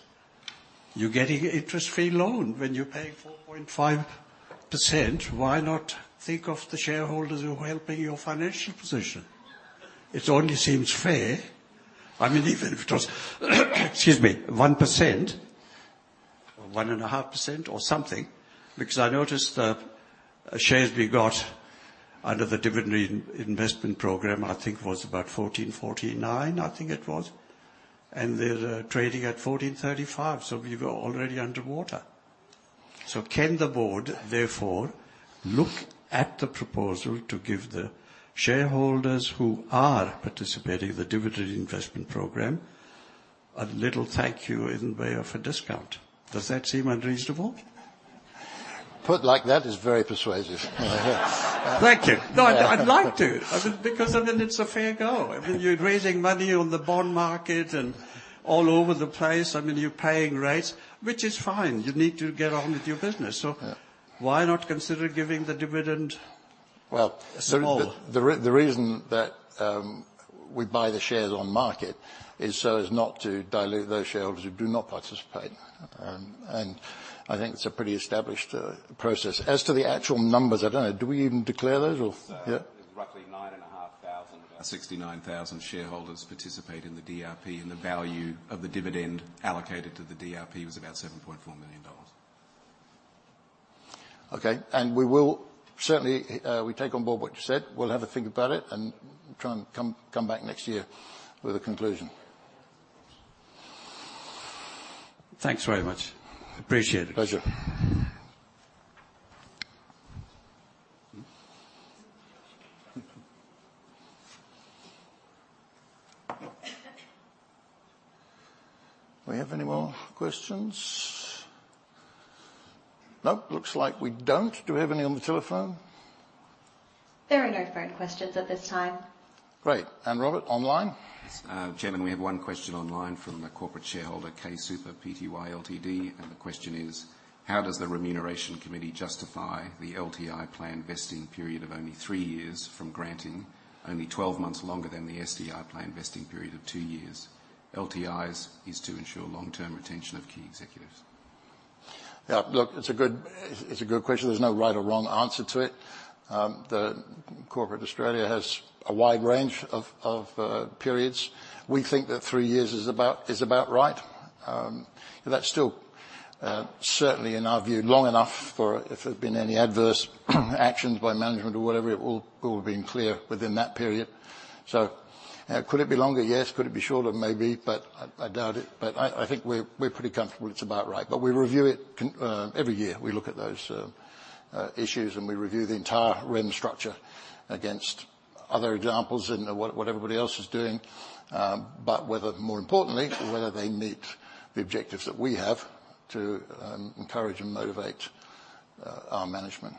you're getting an interest-free loan. When you're paying 4.5%, why not think of the shareholders who are helping your financial position? It only seems fair. I mean, even if it was, excuse me, 1%, or 1.5%, or something, because I noticed the shares we got under the dividend reinvestment program, I think, was about 14.49, I think it was, and they're trading at 14.35, so we were already underwater. So can the board, therefore, look at the proposal to give the shareholders who are participating in the dividend investment program a little thank you in the way of a discount? Does that seem unreasonable? Put like that, it's very persuasive. Thank you. No, I'd like to, I mean, because then it's a fair go. I mean, you're raising money on the bond market and all over the place. I mean, you're paying rates, which is fine. You need to get on with your business. Yeah. Why not consider giving the dividend- Well- -small? The reason that we buy the shares on market is so as not to dilute those shareholders who do not participate. And I think it's a pretty established process. As to the actual numbers, I don't know, do we even declare those? Or... Yes, sir. Yeah. Roughly 9,500 of our 69,000 shareholders participate in the DRP, and the value of the dividend allocated to the DRP was about $7.4 million. Okay, and we will certainly, we take on board what you said. We'll have a think about it and try and come back next year with a conclusion. Thanks very much. Appreciate it. Pleasure. Do we have any more questions? Nope, looks like we don't. Do we have any on the telephone? There are no phone questions at this time. Great. And Robert, online? Yes, Chairman, we have one question online from a corporate shareholder, K Super Pty Ltd, and the question is: How does the Remuneration Committee justify the LTI plan vesting period of only three years from granting only 12 months longer than the STI plan vesting period of two years? LTIs is to ensure long-term retention of key executives. Yeah, look, it's a good, it's a good question. The corporate Australia has a wide range of periods. We think that three years is about right. But that's still certainly in our view, long enough for if there's been any adverse actions by management or whatever, it will have been clear within that period. So, could it be longer? Yes. Could it be shorter? Maybe, but I doubt it. But I think we're pretty comfortable it's about right. But we review it every year. We look at those issues, and we review the entire RIM structure against- other examples in what, what everybody else is doing, but whether more importantly, whether they meet the objectives that we have to, encourage and motivate, our management.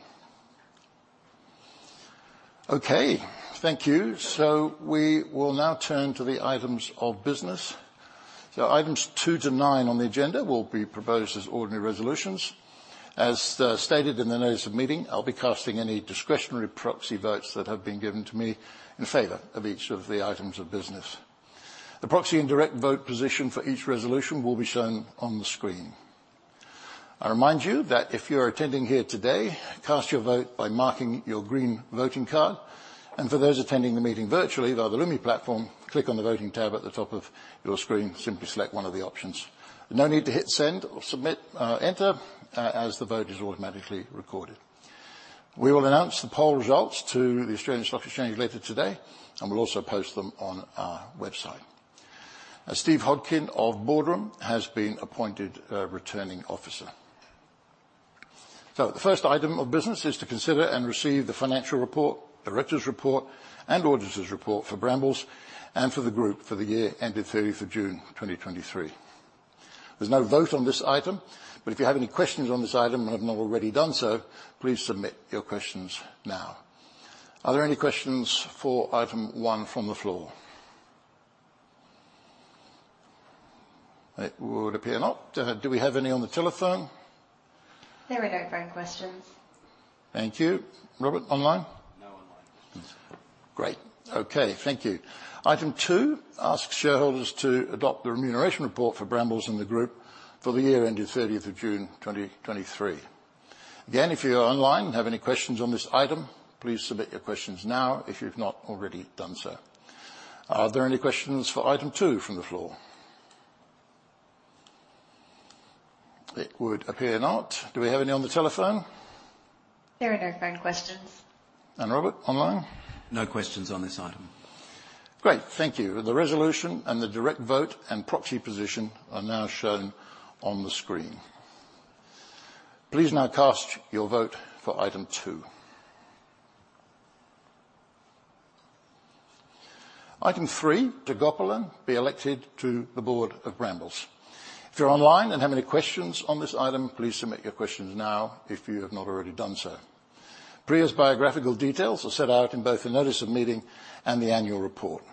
Okay, thank you. So we will now turn to the items of business. So items two to nine on the agenda will be proposed as ordinary resolutions. As, stated in the notice of meeting, I'll be casting any discretionary proxy votes that have been given to me in favor of each of the items of business. The proxy and direct vote position for each resolution will be shown on the screen. I remind you that if you're attending here today, cast your vote by marking your green voting card, and for those attending the meeting virtually via the Lumi platform, click on the Voting tab at the top of your screen. Simply select one of the options. No need to hit Send or Submit, Enter, as the vote is automatically recorded. We will announce the poll results to the Australian Securities Exchange later today, and we'll also post them on our website. As Steve Hodkin of Boardroom has been appointed, Returning Officer. So the first item of business is to consider and receive the financial report, directors report, and auditors report for Brambles, and for the group for the year ended 30th of June, 2023. There's no vote on this item, but if you have any questions on this item and have not already done so, please submit your questions now. Are there any questions for item one from the floor? It would appear not. Do we have any on the telephone? There are no phone questions. Thank you. Robert, online? No online. Great. Okay, thank you. Item two, ask shareholders to adopt the remuneration report for Brambles and the group for the year ended 30th of June, 2023. Again, if you are online and have any questions on this item, please submit your questions now, if you've not already done so. Are there any questions for item two from the floor? It would appear not. Do we have any on the telephone? There are no phone questions. Robert, online? No questions on this item. Great, thank you. The resolution and the direct vote and proxy position are now shown on the screen. Please now cast your vote for item two. Item three, Priya Rajagopalan be elected to the Board of Brambles. If you're online and have any questions on this item, please submit your questions now if you have not already done so. Priya's biographical details are set out in both the notice of meeting and the annual report.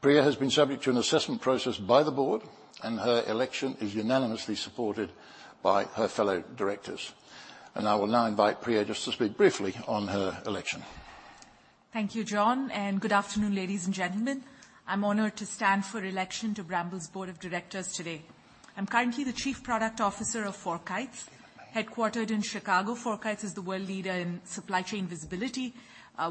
Priya has been subject to an assessment process by the board, and her election is unanimously supported by her fellow directors. I will now invite Priya just to speak briefly on her election. Thank you, John, and good afternoon, ladies and gentlemen. I'm honored to stand for election to Brambles' Board of Directors today. I'm currently the Chief Product Officer of FourKites. Headquartered in Chicago, FourKites is the world leader in supply chain visibility.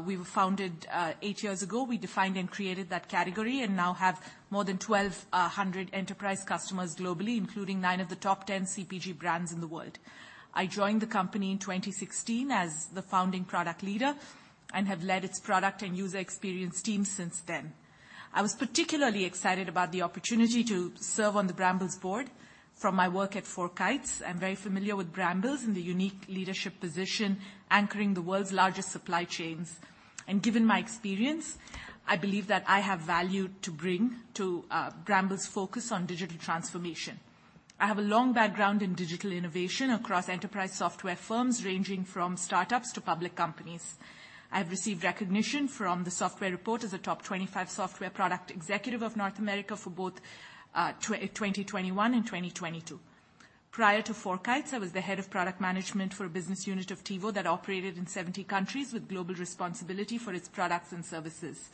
We were founded 8 years ago. We defined and created that category, and now have more than 1,200 enterprise customers globally, including nine of the top 10 CPG brands in the world. I joined the company in 2016 as the founding product leader, and have led its product and user experience team since then. I was particularly excited about the opportunity to serve on the Brambles Board from my work at FourKites. I'm very familiar with Brambles and the unique leadership position anchoring the world's largest supply chains, and given my experience, I believe that I have value to bring to Brambles' focus on digital transformation. I have a long background in digital innovation across enterprise software firms, ranging from startups to public companies. I have received recognition from the Software Report as a top 25 software product executive of North America for both 2021 and 2022. Prior to FourKites, I was the head of product management for a business unit of TiVo that operated in 70 countries with global responsibility for its products and services.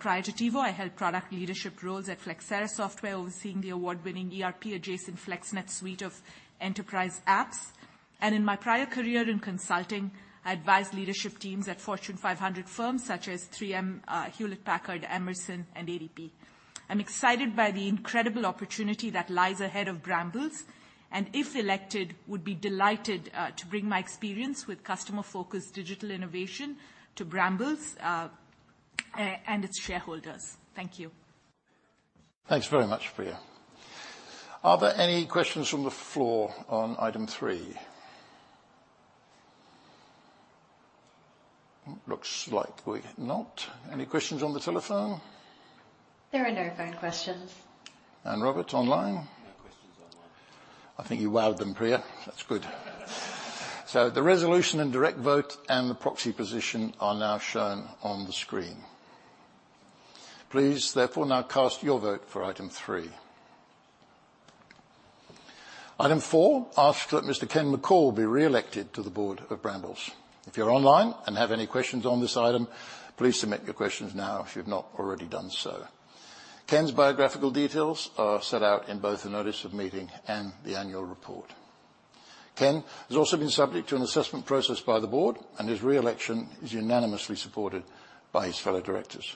Prior to TiVo, I held product leadership roles at Flexera Software, overseeing the award-winning ERP adjacent FlexNet suite of enterprise apps. In my prior career in consulting, I advised leadership teams at Fortune 500 firms such as 3M, Hewlett-Packard, Emerson, and ADP. I'm excited by the incredible opportunity that lies ahead of Brambles, and if elected, would be delighted to bring my experience with customer-focused digital innovation to Brambles and its shareholders. Thank you. Thanks very much, Priya. Are there any questions from the floor on item three? Looks like we've not. Any questions on the telephone? There are no phone questions. Robert, online? No questions online. I think you wowed them, Priya. That's good. So the resolution and direct vote and the proxy position are now shown on the screen. Please therefore, now cast your vote for item three. Item four asks that Mr. Ken McCall be re-elected to the board of Brambles. If you're online and have any questions on this item, please submit your questions now, if you've not already done so. Ken's biographical details are set out in both the notice of meeting and the annual report. Ken has also been subject to an assessment process by the board, and his re-election is unanimously supported by his fellow directors.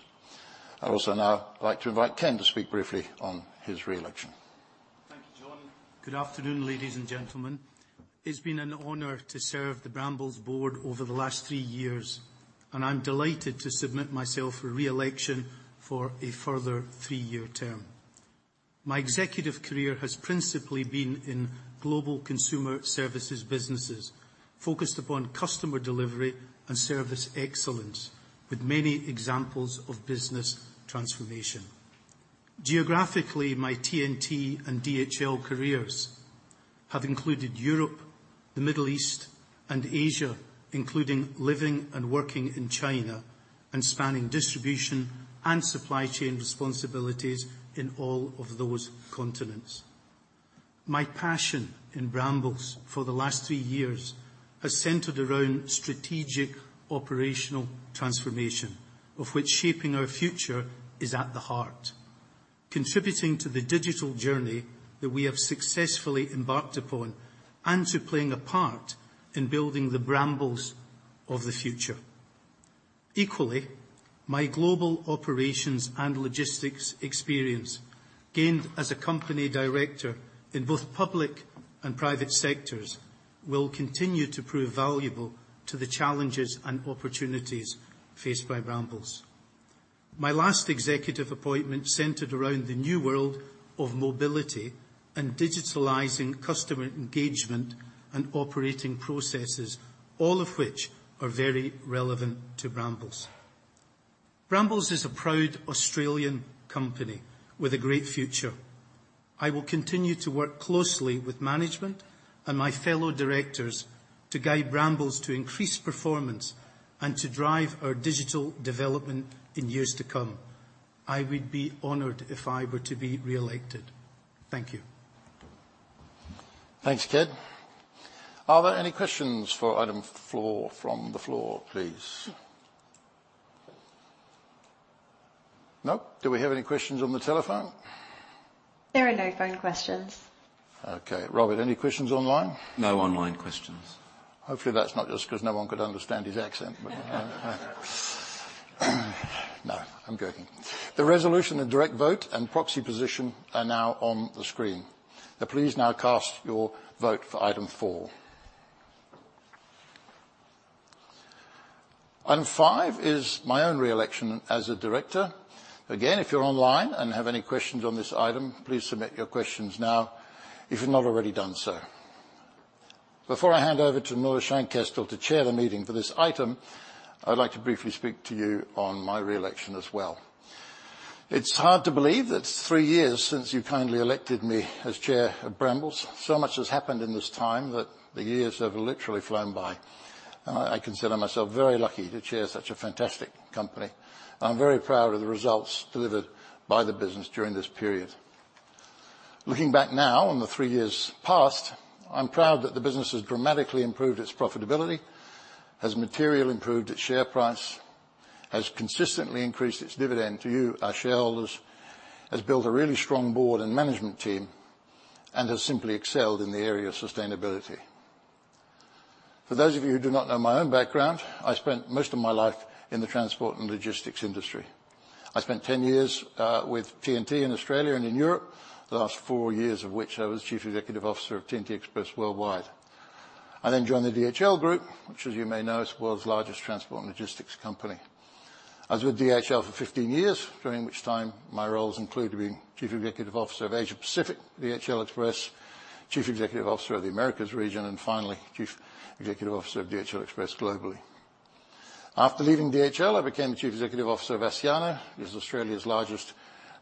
I'd also now like to invite Ken to speak briefly on his re-election. Thank you, John. Good afternoon, ladies and gentlemen. It's been an honor to serve the Brambles Board over the last three years, and I'm delighted to submit myself for re-election for a further three-year term. My executive career has principally been in global consumer services businesses, focused upon customer delivery and service excellence, with many examples of business transformation. Geographically, my TNT and DHL careers have included Europe, the Middle East, and Asia, including living and working in China, and spanning distribution and supply chain responsibilities in all of those continents. My passion in Brambles for the last three years has centered around strategic operational transformation, of which Shaping Our Future is at the heart, contributing to the digital journey that we have successfully embarked upon, and to playing a part in building the Brambles of the future. Equally, my global operations and logistics experience, gained as a company director in both public and private sectors, will continue to prove valuable to the challenges and opportunities faced by Brambles. My last executive appointment centered around the new world of mobility and digitalizing customer engagement and operating processes, all of which are very relevant to Brambles. Brambles is a proud Australian company with a great future. I will continue to work closely with management and my fellow directors to guide Brambles to increase performance and to drive our digital development in years to come. I would be honored if I were to be re-elected. Thank you. Thanks, Ken. Are there any questions for item four from the floor, please? Nope. Do we have any questions on the telephone? There are no phone questions. Okay, Robert, any questions online? No online questions. Hopefully, that's not just 'cause no one could understand his accent, but no, I'm joking. The resolution and direct vote and proxy position are now on the screen. So please now cast your vote for item four. Item five is my own re-election as a director. Again, if you're online and have any questions on this item, please submit your questions now, if you've not already done so. Before I hand over to Nora Scheinkestel to chair the meeting for this item, I'd like to briefly speak to you on my re-election as well. It's hard to believe that it's three years since you kindly elected me as chair of Brambles. So much has happened in this time that the years have literally flown by. I consider myself very lucky to chair such a fantastic company. I'm very proud of the results delivered by the business during this period. Looking back now on the 3 years past, I'm proud that the business has dramatically improved its profitability, has material improved its share price, has consistently increased its dividend to you, our shareholders, has built a really strong board and management team, and has simply excelled in the area of sustainability. For those of you who do not know my own background, I spent most of my life in the transport and logistics industry. I spent 10 years with TNT in Australia and in Europe, the last 4 years of which I was Chief Executive Officer of TNT Express worldwide. I then joined the DHL Group, which, as you may know, is the world's largest transport and logistics company. I was with DHL for 15 years, during which time my roles included being Chief Executive Officer of Asia-Pacific, DHL Express, Chief Executive Officer of the Americas region, and finally, Chief Executive Officer of DHL Express globally. After leaving DHL, I became the Chief Executive Officer of Asciano, it was Australia's largest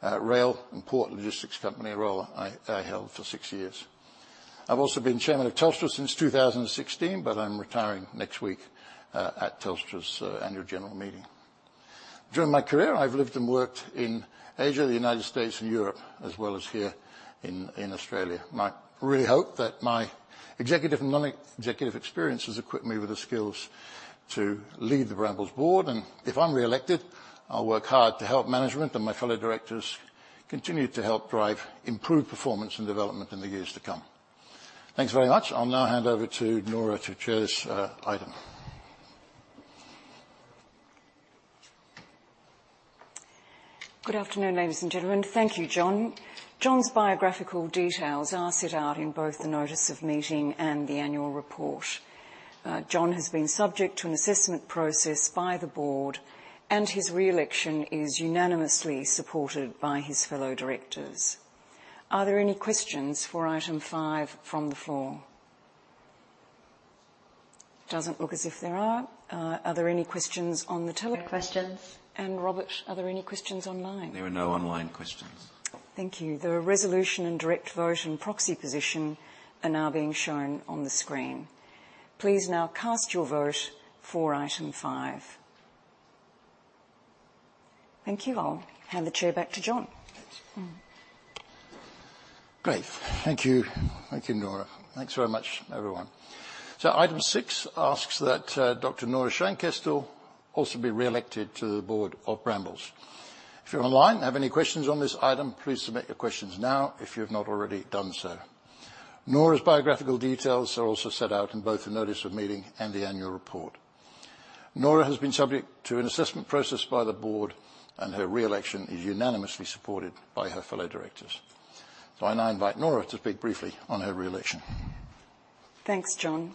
rail and port logistics company, a role I held for 6 years. I've also been Chairman of Telstra since 2016, but I'm retiring next week at Telstra's annual general meeting. During my career, I've lived and worked in Asia, the United States, and Europe, as well as here in Australia. I really hope that my executive and non-executive experience has equipped me with the skills to lead the Brambles board, and if I'm re-elected, I'll work hard to help management and my fellow directors continue to help drive improved performance and development in the years to come. Thanks very much. I'll now hand over to Nora to chair this item. Good afternoon, ladies and gentlemen. Thank you, John. John's biographical details are set out in both the notice of meeting and the annual report. John has been subject to an assessment process by the board, and his re-election is unanimously supported by his fellow directors. Are there any questions for item five from the floor? Doesn't look as if there are. Are there any questions on the tele- Questions. Robert, are there any questions online? There are no online questions. Thank you. The resolution and direct vote and proxy position are now being shown on the screen. Please now cast your vote for item 5. Thank you. I'll hand the chair back to John. Thanks. Mm. Great. Thank you. Thank you, Nora. Thanks very much, everyone. So item six asks that Dr. Nora Scheinkestel also be re-elected to the board of Brambles. If you're online and have any questions on this item, please submit your questions now, if you have not already done so. Nora's biographical details are also set out in both the notice of meeting and the annual report. Nora has been subject to an assessment process by the board, and her re-election is unanimously supported by her fellow directors. So I now invite Nora to speak briefly on her re-election. Thanks, John.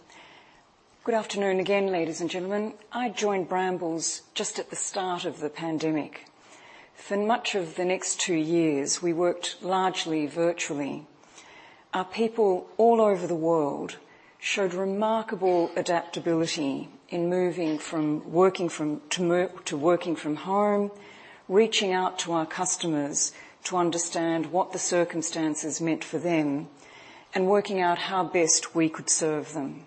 Good afternoon again, ladies and gentlemen. I joined Brambles just at the start of the pandemic. For much of the next two years, we worked largely virtually. Our people all over the world showed remarkable adaptability in moving from working from to working from home, reaching out to our customers to understand what the circumstances meant for them, and working out how best we could serve them.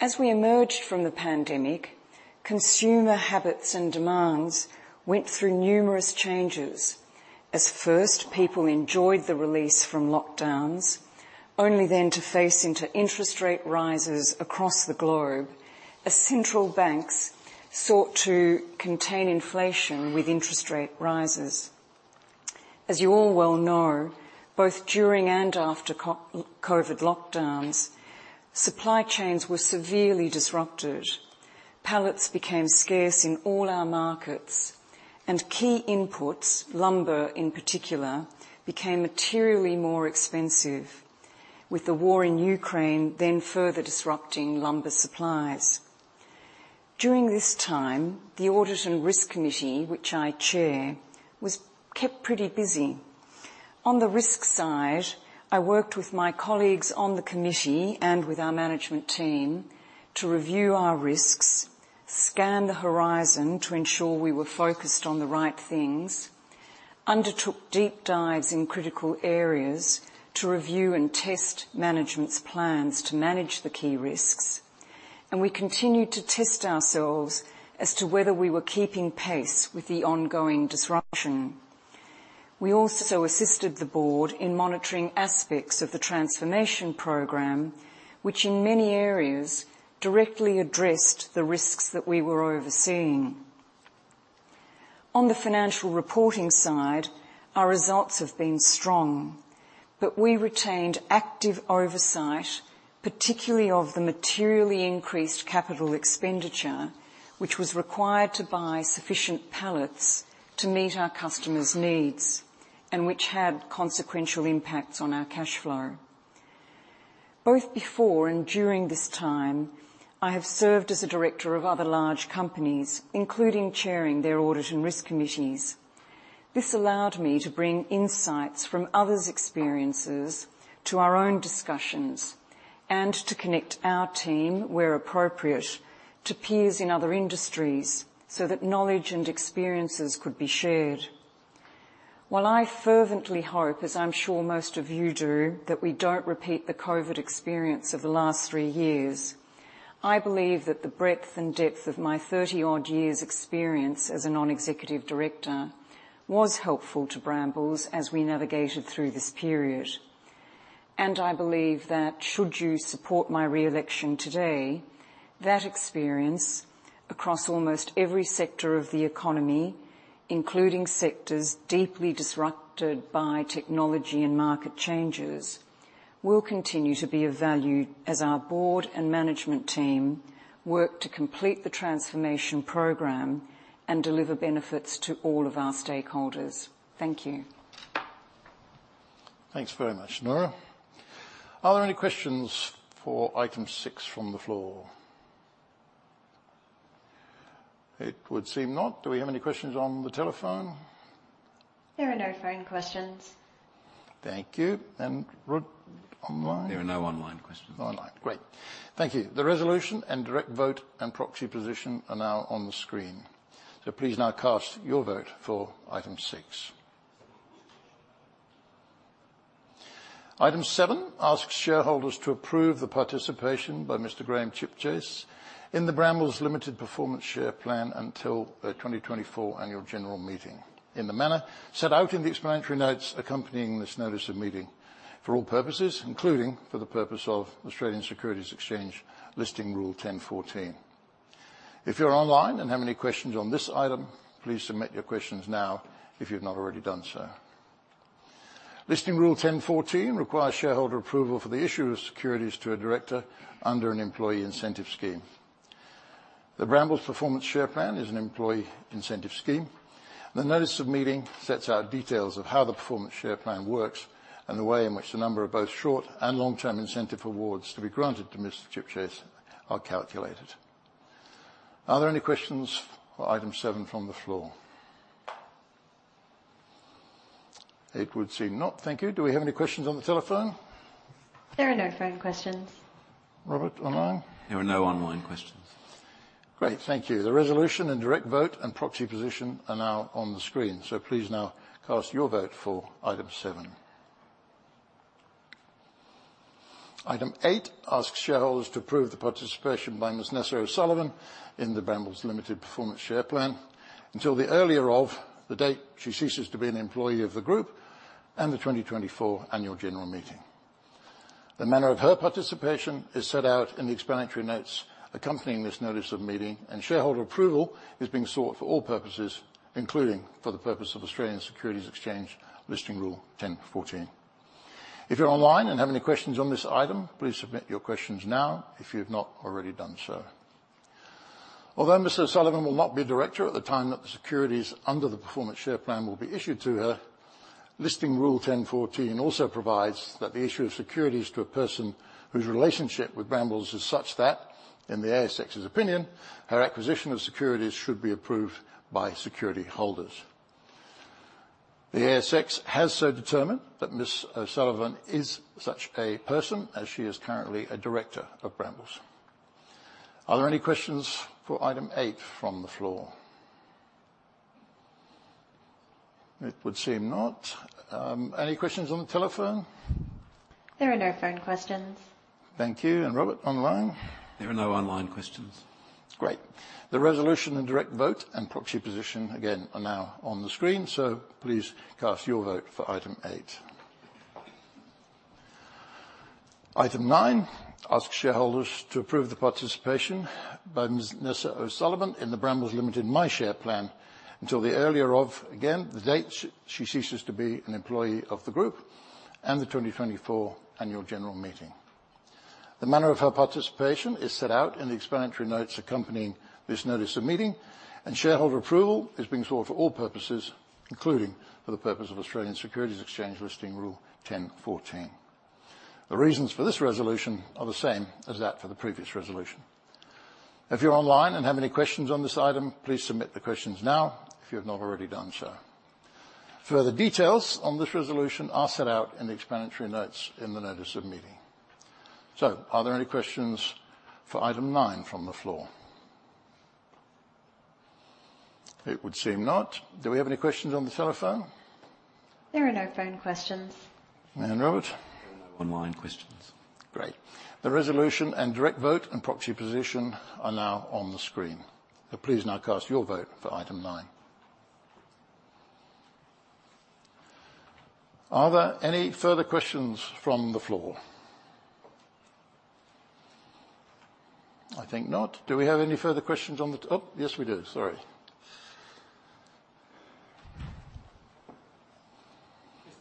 As we emerged from the pandemic, consumer habits and demands went through numerous changes. At first, people enjoyed the release from lockdowns, only then to face into interest rate rises across the globe, as central banks sought to contain inflation with interest rate rises. As you all well know, both during and after COVID lockdowns, supply chains were severely disrupted. Pallets became scarce in all our markets, and key inputs, lumber in particular, became materially more expensive, with the war in Ukraine then further disrupting lumber supplies. During this time, the Audit and Risk Committee, which I chair, was kept pretty busy. On the risk side, I worked with my colleagues on the committee and with our management team to review our risks, scan the horizon to ensure we were focused on the right things, undertook deep dives in critical areas to review and test management's plans to manage the key risks, and we continued to test ourselves as to whether we were keeping pace with the ongoing disruption. We also assisted the board in monitoring aspects of the transformation program, which in many areas directly addressed the risks that we were overseeing. On the financial reporting side, our results have been strong, but we retained active oversight, particularly of the materially increased capital expenditure, which was required to buy sufficient pallets to meet our customers' needs and which had consequential impacts on our cash flow. Both before and during this time, I have served as a director of other large companies, including chairing their audit and risk committees. This allowed me to bring insights from others' experiences to our own discussions and to connect our team, where appropriate, to peers in other industries, so that knowledge and experiences could be shared. While I fervently hope, as I'm sure most of you do, that we don't repeat the COVID experience of the last 3 years, I believe that the breadth and depth of my 30-odd years' experience as a non-executive director was helpful to Brambles as we navigated through this period. I believe that should you support my re-election today, that experience across almost every sector of the economy, including sectors deeply disrupted by technology and market changes, will continue to be of value as our board and management team work to complete the transformation program and deliver benefits to all of our stakeholders. Thank you. Thanks very much, Nora. Are there any questions for item six from the floor? It would seem not. Do we have any questions on the telephone? There are no phone questions. Thank you. And Robert online? There are no online questions. Online. Great. Thank you. The resolution and direct vote and proxy position are now on the screen, so please now cast your vote for item 6. Item 7 asks shareholders to approve the participation by Mr. Graham Chipchase in the Brambles Limited Performance Share Plan until the 2024 annual general meeting, in the manner set out in the explanatory notes accompanying this notice of meeting, for all purposes, including for the purpose of Australian Securities Exchange Listing Rule 10.14. If you're online and have any questions on this item, please submit your questions now, if you've not already done so. Listing Rule 10.14 requires shareholder approval for the issue of securities to a director under an employee incentive scheme. The Brambles Performance Share Plan is an employee incentive scheme. The notice of meeting sets out details of how the performance share plan works and the way in which the number of both short and long-term incentive awards to be granted to Mr. Chipchase are calculated. Are there any questions for item seven from the floor? It would seem not. Thank you. Do we have any questions on the telephone? There are no phone questions. Robert, online? There are no online questions. Great, thank you. The resolution and direct vote and proxy position are now on the screen, so please now cast your vote for item seven. Item eight asks shareholders to approve the participation by Ms. Nessa O'Sullivan in the Brambles Limited Performance Share Plan until the earlier of the date she ceases to be an employee of the group and the 2024 annual general meeting. The manner of her participation is set out in the explanatory notes accompanying this notice of meeting, and shareholder approval is being sought for all purposes, including for the purpose of Australian Securities Exchange Listing Rule 10.14. If you're online and have any questions on this item, please submit your questions now, if you have not already done so.... Although Ms. O'Sullivan will not be a director at the time that the securities under the performance share plan will be issued to her. Listing Rule 10.14 also provides that the issue of securities to a person whose relationship with Brambles is such that, in the ASX's opinion, her acquisition of securities should be approved by security holders. The ASX has so determined that Ms. O'Sullivan is such a person, as she is currently a director of Brambles. Are there any questions for item 8 from the floor? It would seem not. Any questions on the telephone? There are no phone questions. Thank you, and Robert, online? There are no online questions. Great. The resolution and direct vote and proxy position, again, are now on the screen, so please cast your vote for item eight. Item nine asks shareholders to approve the participation by Ms. Nessa O'Sullivan in the Brambles Limited MyShare Plan until the earlier of, again, the date she ceases to be an employee of the group and the 2024 annual general meeting. The manner of her participation is set out in the explanatory notes accompanying this notice of meeting, and shareholder approval is being sought for all purposes, including for the purpose of Australian Securities Exchange Listing Rule 10.14. The reasons for this resolution are the same as that for the previous resolution. If you're online and have any questions on this item, please submit the questions now if you have not already done so. Further details on this resolution are set out in the explanatory notes in the notice of meeting. So are there any questions for item nine from the floor? It would seem not. Do we have any questions on the telephone? There are no phone questions. And Robert? There are no online questions. Great. The resolution and direct vote and proxy position are now on the screen, so please now cast your vote for item nine. Are there any further questions from the floor? I think not. Do we have any further questions on the... Oh, yes, we do. Sorry.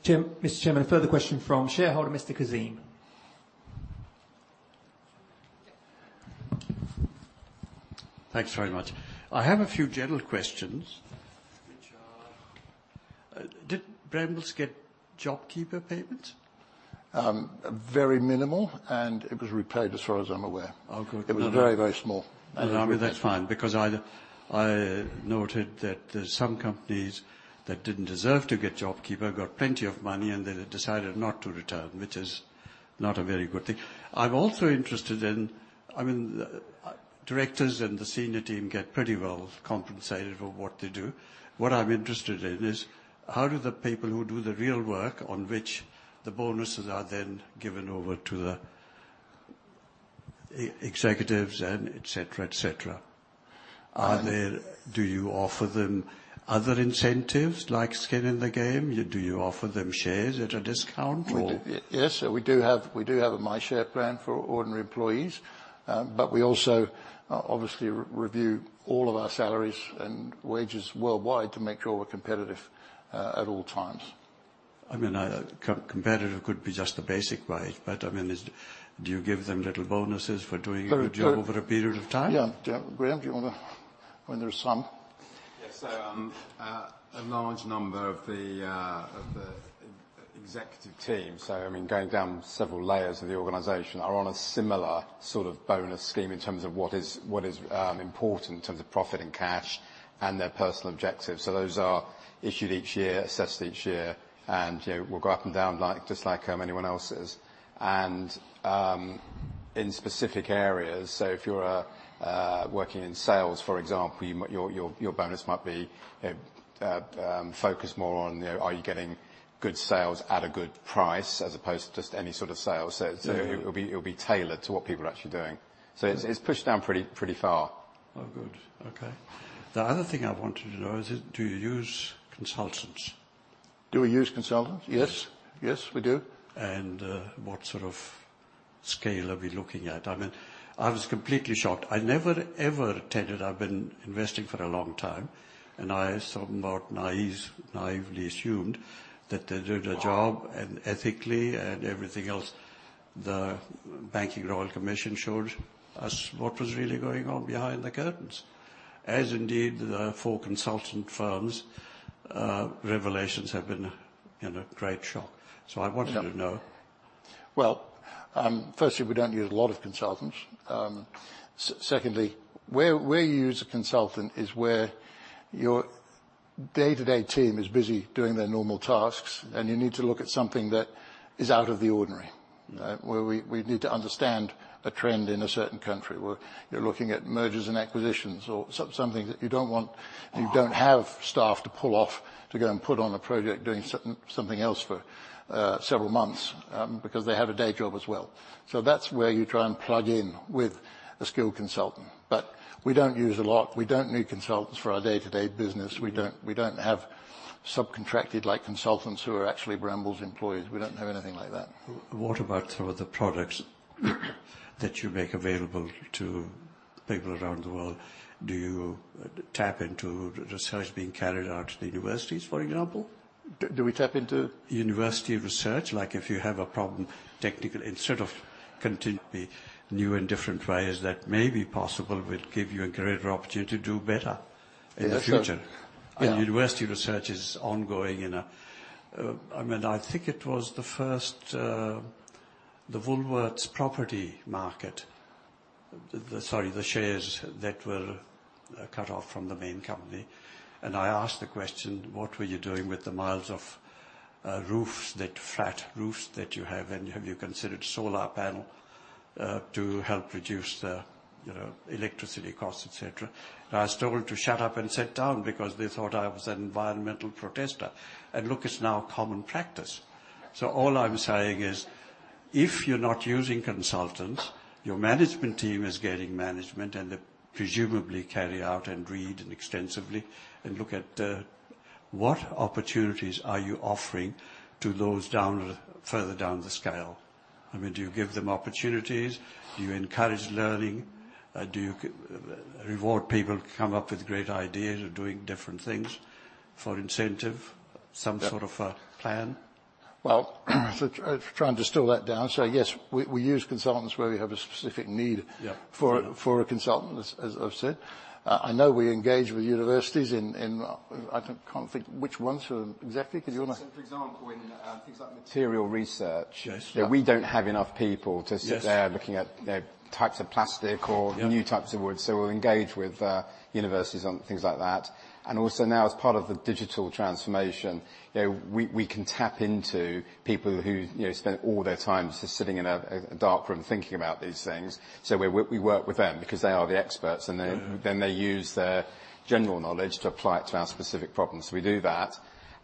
Jim, Mr. Chairman, a further question from shareholder Mr. Kazim. Thanks very much. I have a few general questions. Good job. Did Brambles get JobKeeper payments? Very minimal, and it was repaid as far as I'm aware. Oh, good. It was very, very small. Well, I mean, that's fine, because I noted that there's some companies that didn't deserve to get JobKeeper, got plenty of money, and then they decided not to return, which is not a very good thing. I'm also interested in... I mean, directors and the senior team get pretty well compensated for what they do. What I'm interested in is, how do the people who do the real work on which the bonuses are then given over to the executives and et cetera, et cetera, are there- Um- Do you offer them other incentives, like skin in the game? Do you offer them shares at a discount or? Well, yes, we do have, we do have a MyShare Plan for ordinary employees. But we also obviously review all of our salaries and wages worldwide to make sure we're competitive at all times. I mean, competitive could be just the basic way, but I mean, do you give them little bonuses for doing a good job? So, so- over a period of time? Yeah. Yeah, Graham, do you wanna? Well, there's some. Yes, a large number of the executive team, so I mean, going down several layers of the organization, are on a similar sort of bonus scheme in terms of what is important in terms of profit and cash and their personal objectives. So those are issued each year, assessed each year, and, you know, will go up and down, like, just like anyone else's. And in specific areas, so if you're working in sales, for example, you might. Your bonus might be focused more on, you know, are you getting good sales at a good price, as opposed to just any sort of sale. Yeah. It'll be tailored to what people are actually doing. Yeah. So it's pushed down pretty far. Oh, good. Okay. The other thing I wanted to know is, do you use consultants? Do we use consultants? Yes. Yes, we do. What sort of scale are we looking at? I mean, I was completely shocked. I never, ever attended... I've been investing for a long time, and I somewhat naive, naively assumed that they did their job and ethically and everything else. The Banking Royal Commission showed us what was really going on behind the curtains, as indeed, the four consultant firms revelations have been, you know, a great shock. Yeah. I wanted to know. Well, firstly, we don't use a lot of consultants. Secondly, where you use a consultant is where your day-to-day team is busy doing their normal tasks, and you need to look at something that is out of the ordinary. Mm-hmm. Where we need to understand a trend in a certain country, where you're looking at mergers and acquisitions or something that you don't want, and you don't have staff to pull off to go and put on a project doing something else for several months, because they have a day job as well. That's where you try and plug in with a skilled consultant. But we don't use a lot. We don't need consultants for our day-to-day business. Mm-hmm. We don't have subcontracted, like, consultants who are actually Brambles employees. We don't have anything like that. What about some of the products that you make available to people around the world? Do you tap into the research being carried out in universities, for example? Do we tap into university research? Like, if you have a problem, technical, instead of continually new and different ways that may be possible, will give you a greater opportunity to do better in the future. That's good. Yeah. I mean, university research is ongoing, you know. I mean, I think it was the first, the Woolworths property market, sorry, the shares that were cut off from the main company, and I asked the question: "What were you doing with the miles of roofs that, flat roofs that you have, and have you considered solar panel to help reduce the, you know, electricity costs, et cetera?" I was told to shut up and sit down because they thought I was an environmental protester, and look, it's now common practice. So all I'm saying is, if you're not using consultants, your management team is getting management, and they presumably carry out and read extensively and look at what opportunities are you offering to those down, further down the scale? I mean, do you give them opportunities? Do you encourage learning? Do you reward people who come up with great ideas of doing different things for incentive, some sort of a plan? Well, so trying to distill that down, so, yes, we use consultants where we have a specific need- Yeah... for a, for a consultant, as I've said. I know we engage with universities in, in, I don't, can't think which ones exactly, because you want to- For example, in things like material research- Yes. we don't have enough people to- Yes sit there looking at, you know, types of plastic or- Yeah new types of wood, so we'll engage with universities on things like that. And also now, as part of the digital transformation, you know, we, we can tap into people who, you know, spend all their time just sitting in a, a dark room, thinking about these things. So we, we work with them because they are the experts, and then- Mm-hmm then they use their general knowledge to apply it to our specific problems. We do that.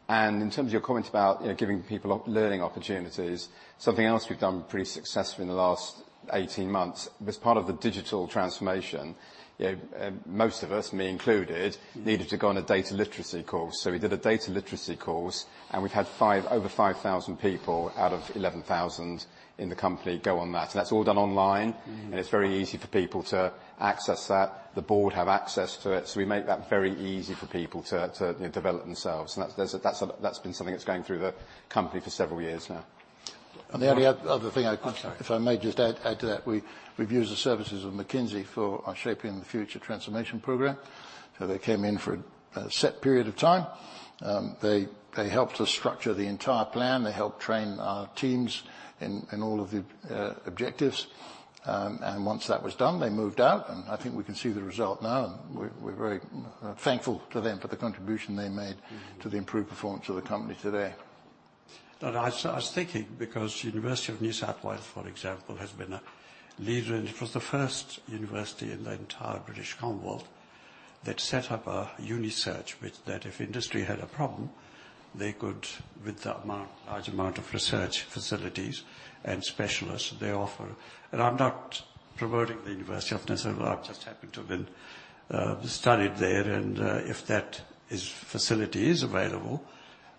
And in terms of your comment about, you know, giving people op, learning opportunities, something else we've done pretty successfully in the last 18 months, as part of the digital transformation, most of us, me included, needed to go on a data literacy course. So we did a data literacy course, and we've had 5,000, over 5,000 people out of 11,000 in the company go on that. So that's all done online. Mm-hmm. It's very easy for people to access that. The board have access to it, so we make that very easy for people to you know, develop themselves. And that's been something that's going through the company for several years now. And the only other thing I- Oh, sorry if I may just add, add to that, we've used the services of McKinsey for our Shaping Our Future transformation program. They came in for a set period of time. They helped us structure the entire plan. They helped train our teams in all of the objectives. Once that was done, they moved out, and I think we can see the result now, and we're very thankful to them for the contribution they made. Mm-hmm... to the improved performance of the company today. And I, so I was thinking, because University of Newcastle, for example, has been a leader, and it was the first university in the entire British Commonwealth that set up a Unisearch, which that if industry had a problem, they could, with the amount, large amount of research facilities and specialists they offer. And I'm not promoting the University of Newcastle. I just happened to have been studied there, and if that facility is available,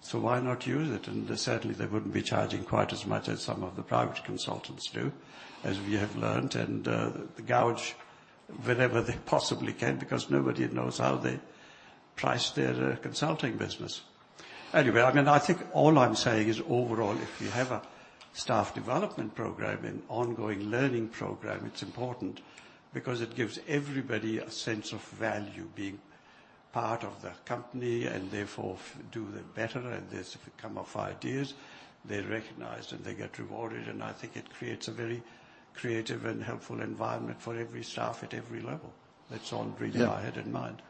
so why not use it? And certainly, they wouldn't be charging quite as much as some of the private consultants do, as we have learned, and gouge wherever they possibly can, because nobody knows how they price their consulting business. Anyway, I mean, I think all I'm saying is, overall, if you have a staff development program, an ongoing learning program, it's important, because it gives everybody a sense of value, being part of the company, and therefore do their better, and there's come of ideas, they're recognized, and they get rewarded, and I think it creates a very creative and helpful environment for every staff at every level. That's all really- Yeah I had in mind.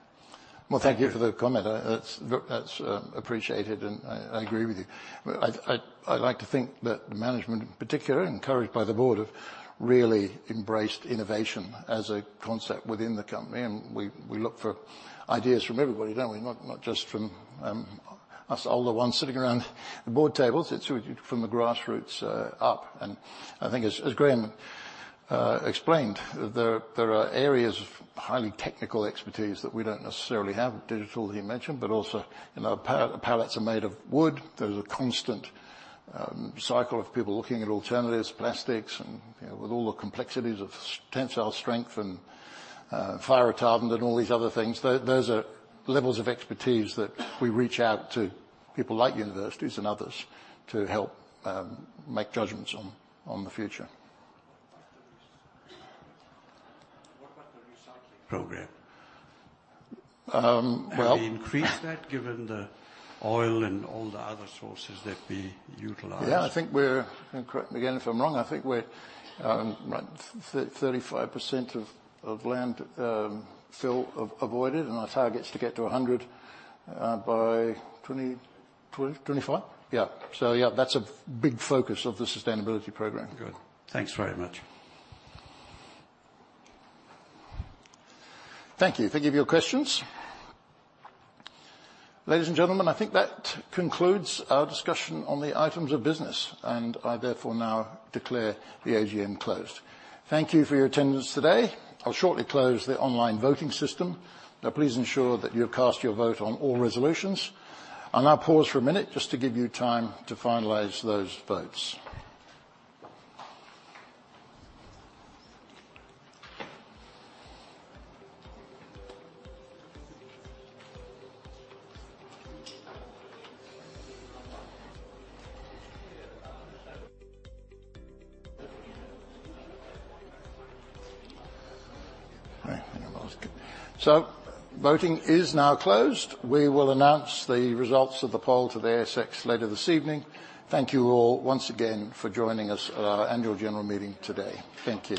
Well, thank you for the comment. That's, that's appreciated, and I, I agree with you. Well, I, I'd like to think that the management, in particular, encouraged by the board, have really embraced innovation as a concept within the company, and we, we look for ideas from everybody, don't we? Not, not just from us older ones sitting around the board tables. It's from the grassroots up, and I think, as Graham explained, there are areas of highly technical expertise that we don't necessarily have. Digital, he mentioned, but also, you know, pallets are made of wood. There's a constant cycle of people looking at alternatives, plastics, and, you know, with all the complexities of tensile strength and fire retardant and all these other things. Those, those are levels of expertise that we reach out to people like universities and others to help make judgments on, on the future. What about the recycling program? Um, well- Have you increased that, given the oil and all the other sources that we utilize? Yeah, I think we're, and correct me again if I'm wrong, I think we're 35% of landfill avoided, and our target's to get to 100 by 2025? Yeah. So yeah, that's a big focus of the sustainability program. Good. Thanks very much. Thank you. Thank you for your questions. Ladies and gentlemen, I think that concludes our discussion on the items of business, and I therefore now declare the AGM closed. Thank you for your attendance today. I'll shortly close the online voting system, but please ensure that you have cast your vote on all resolutions. I'll now pause for a minute just to give you time to finalize those votes. So voting is now closed. We will announce the results of the poll to the ASX later this evening. Thank you all once again for joining us at our annual general meeting today. Thank you.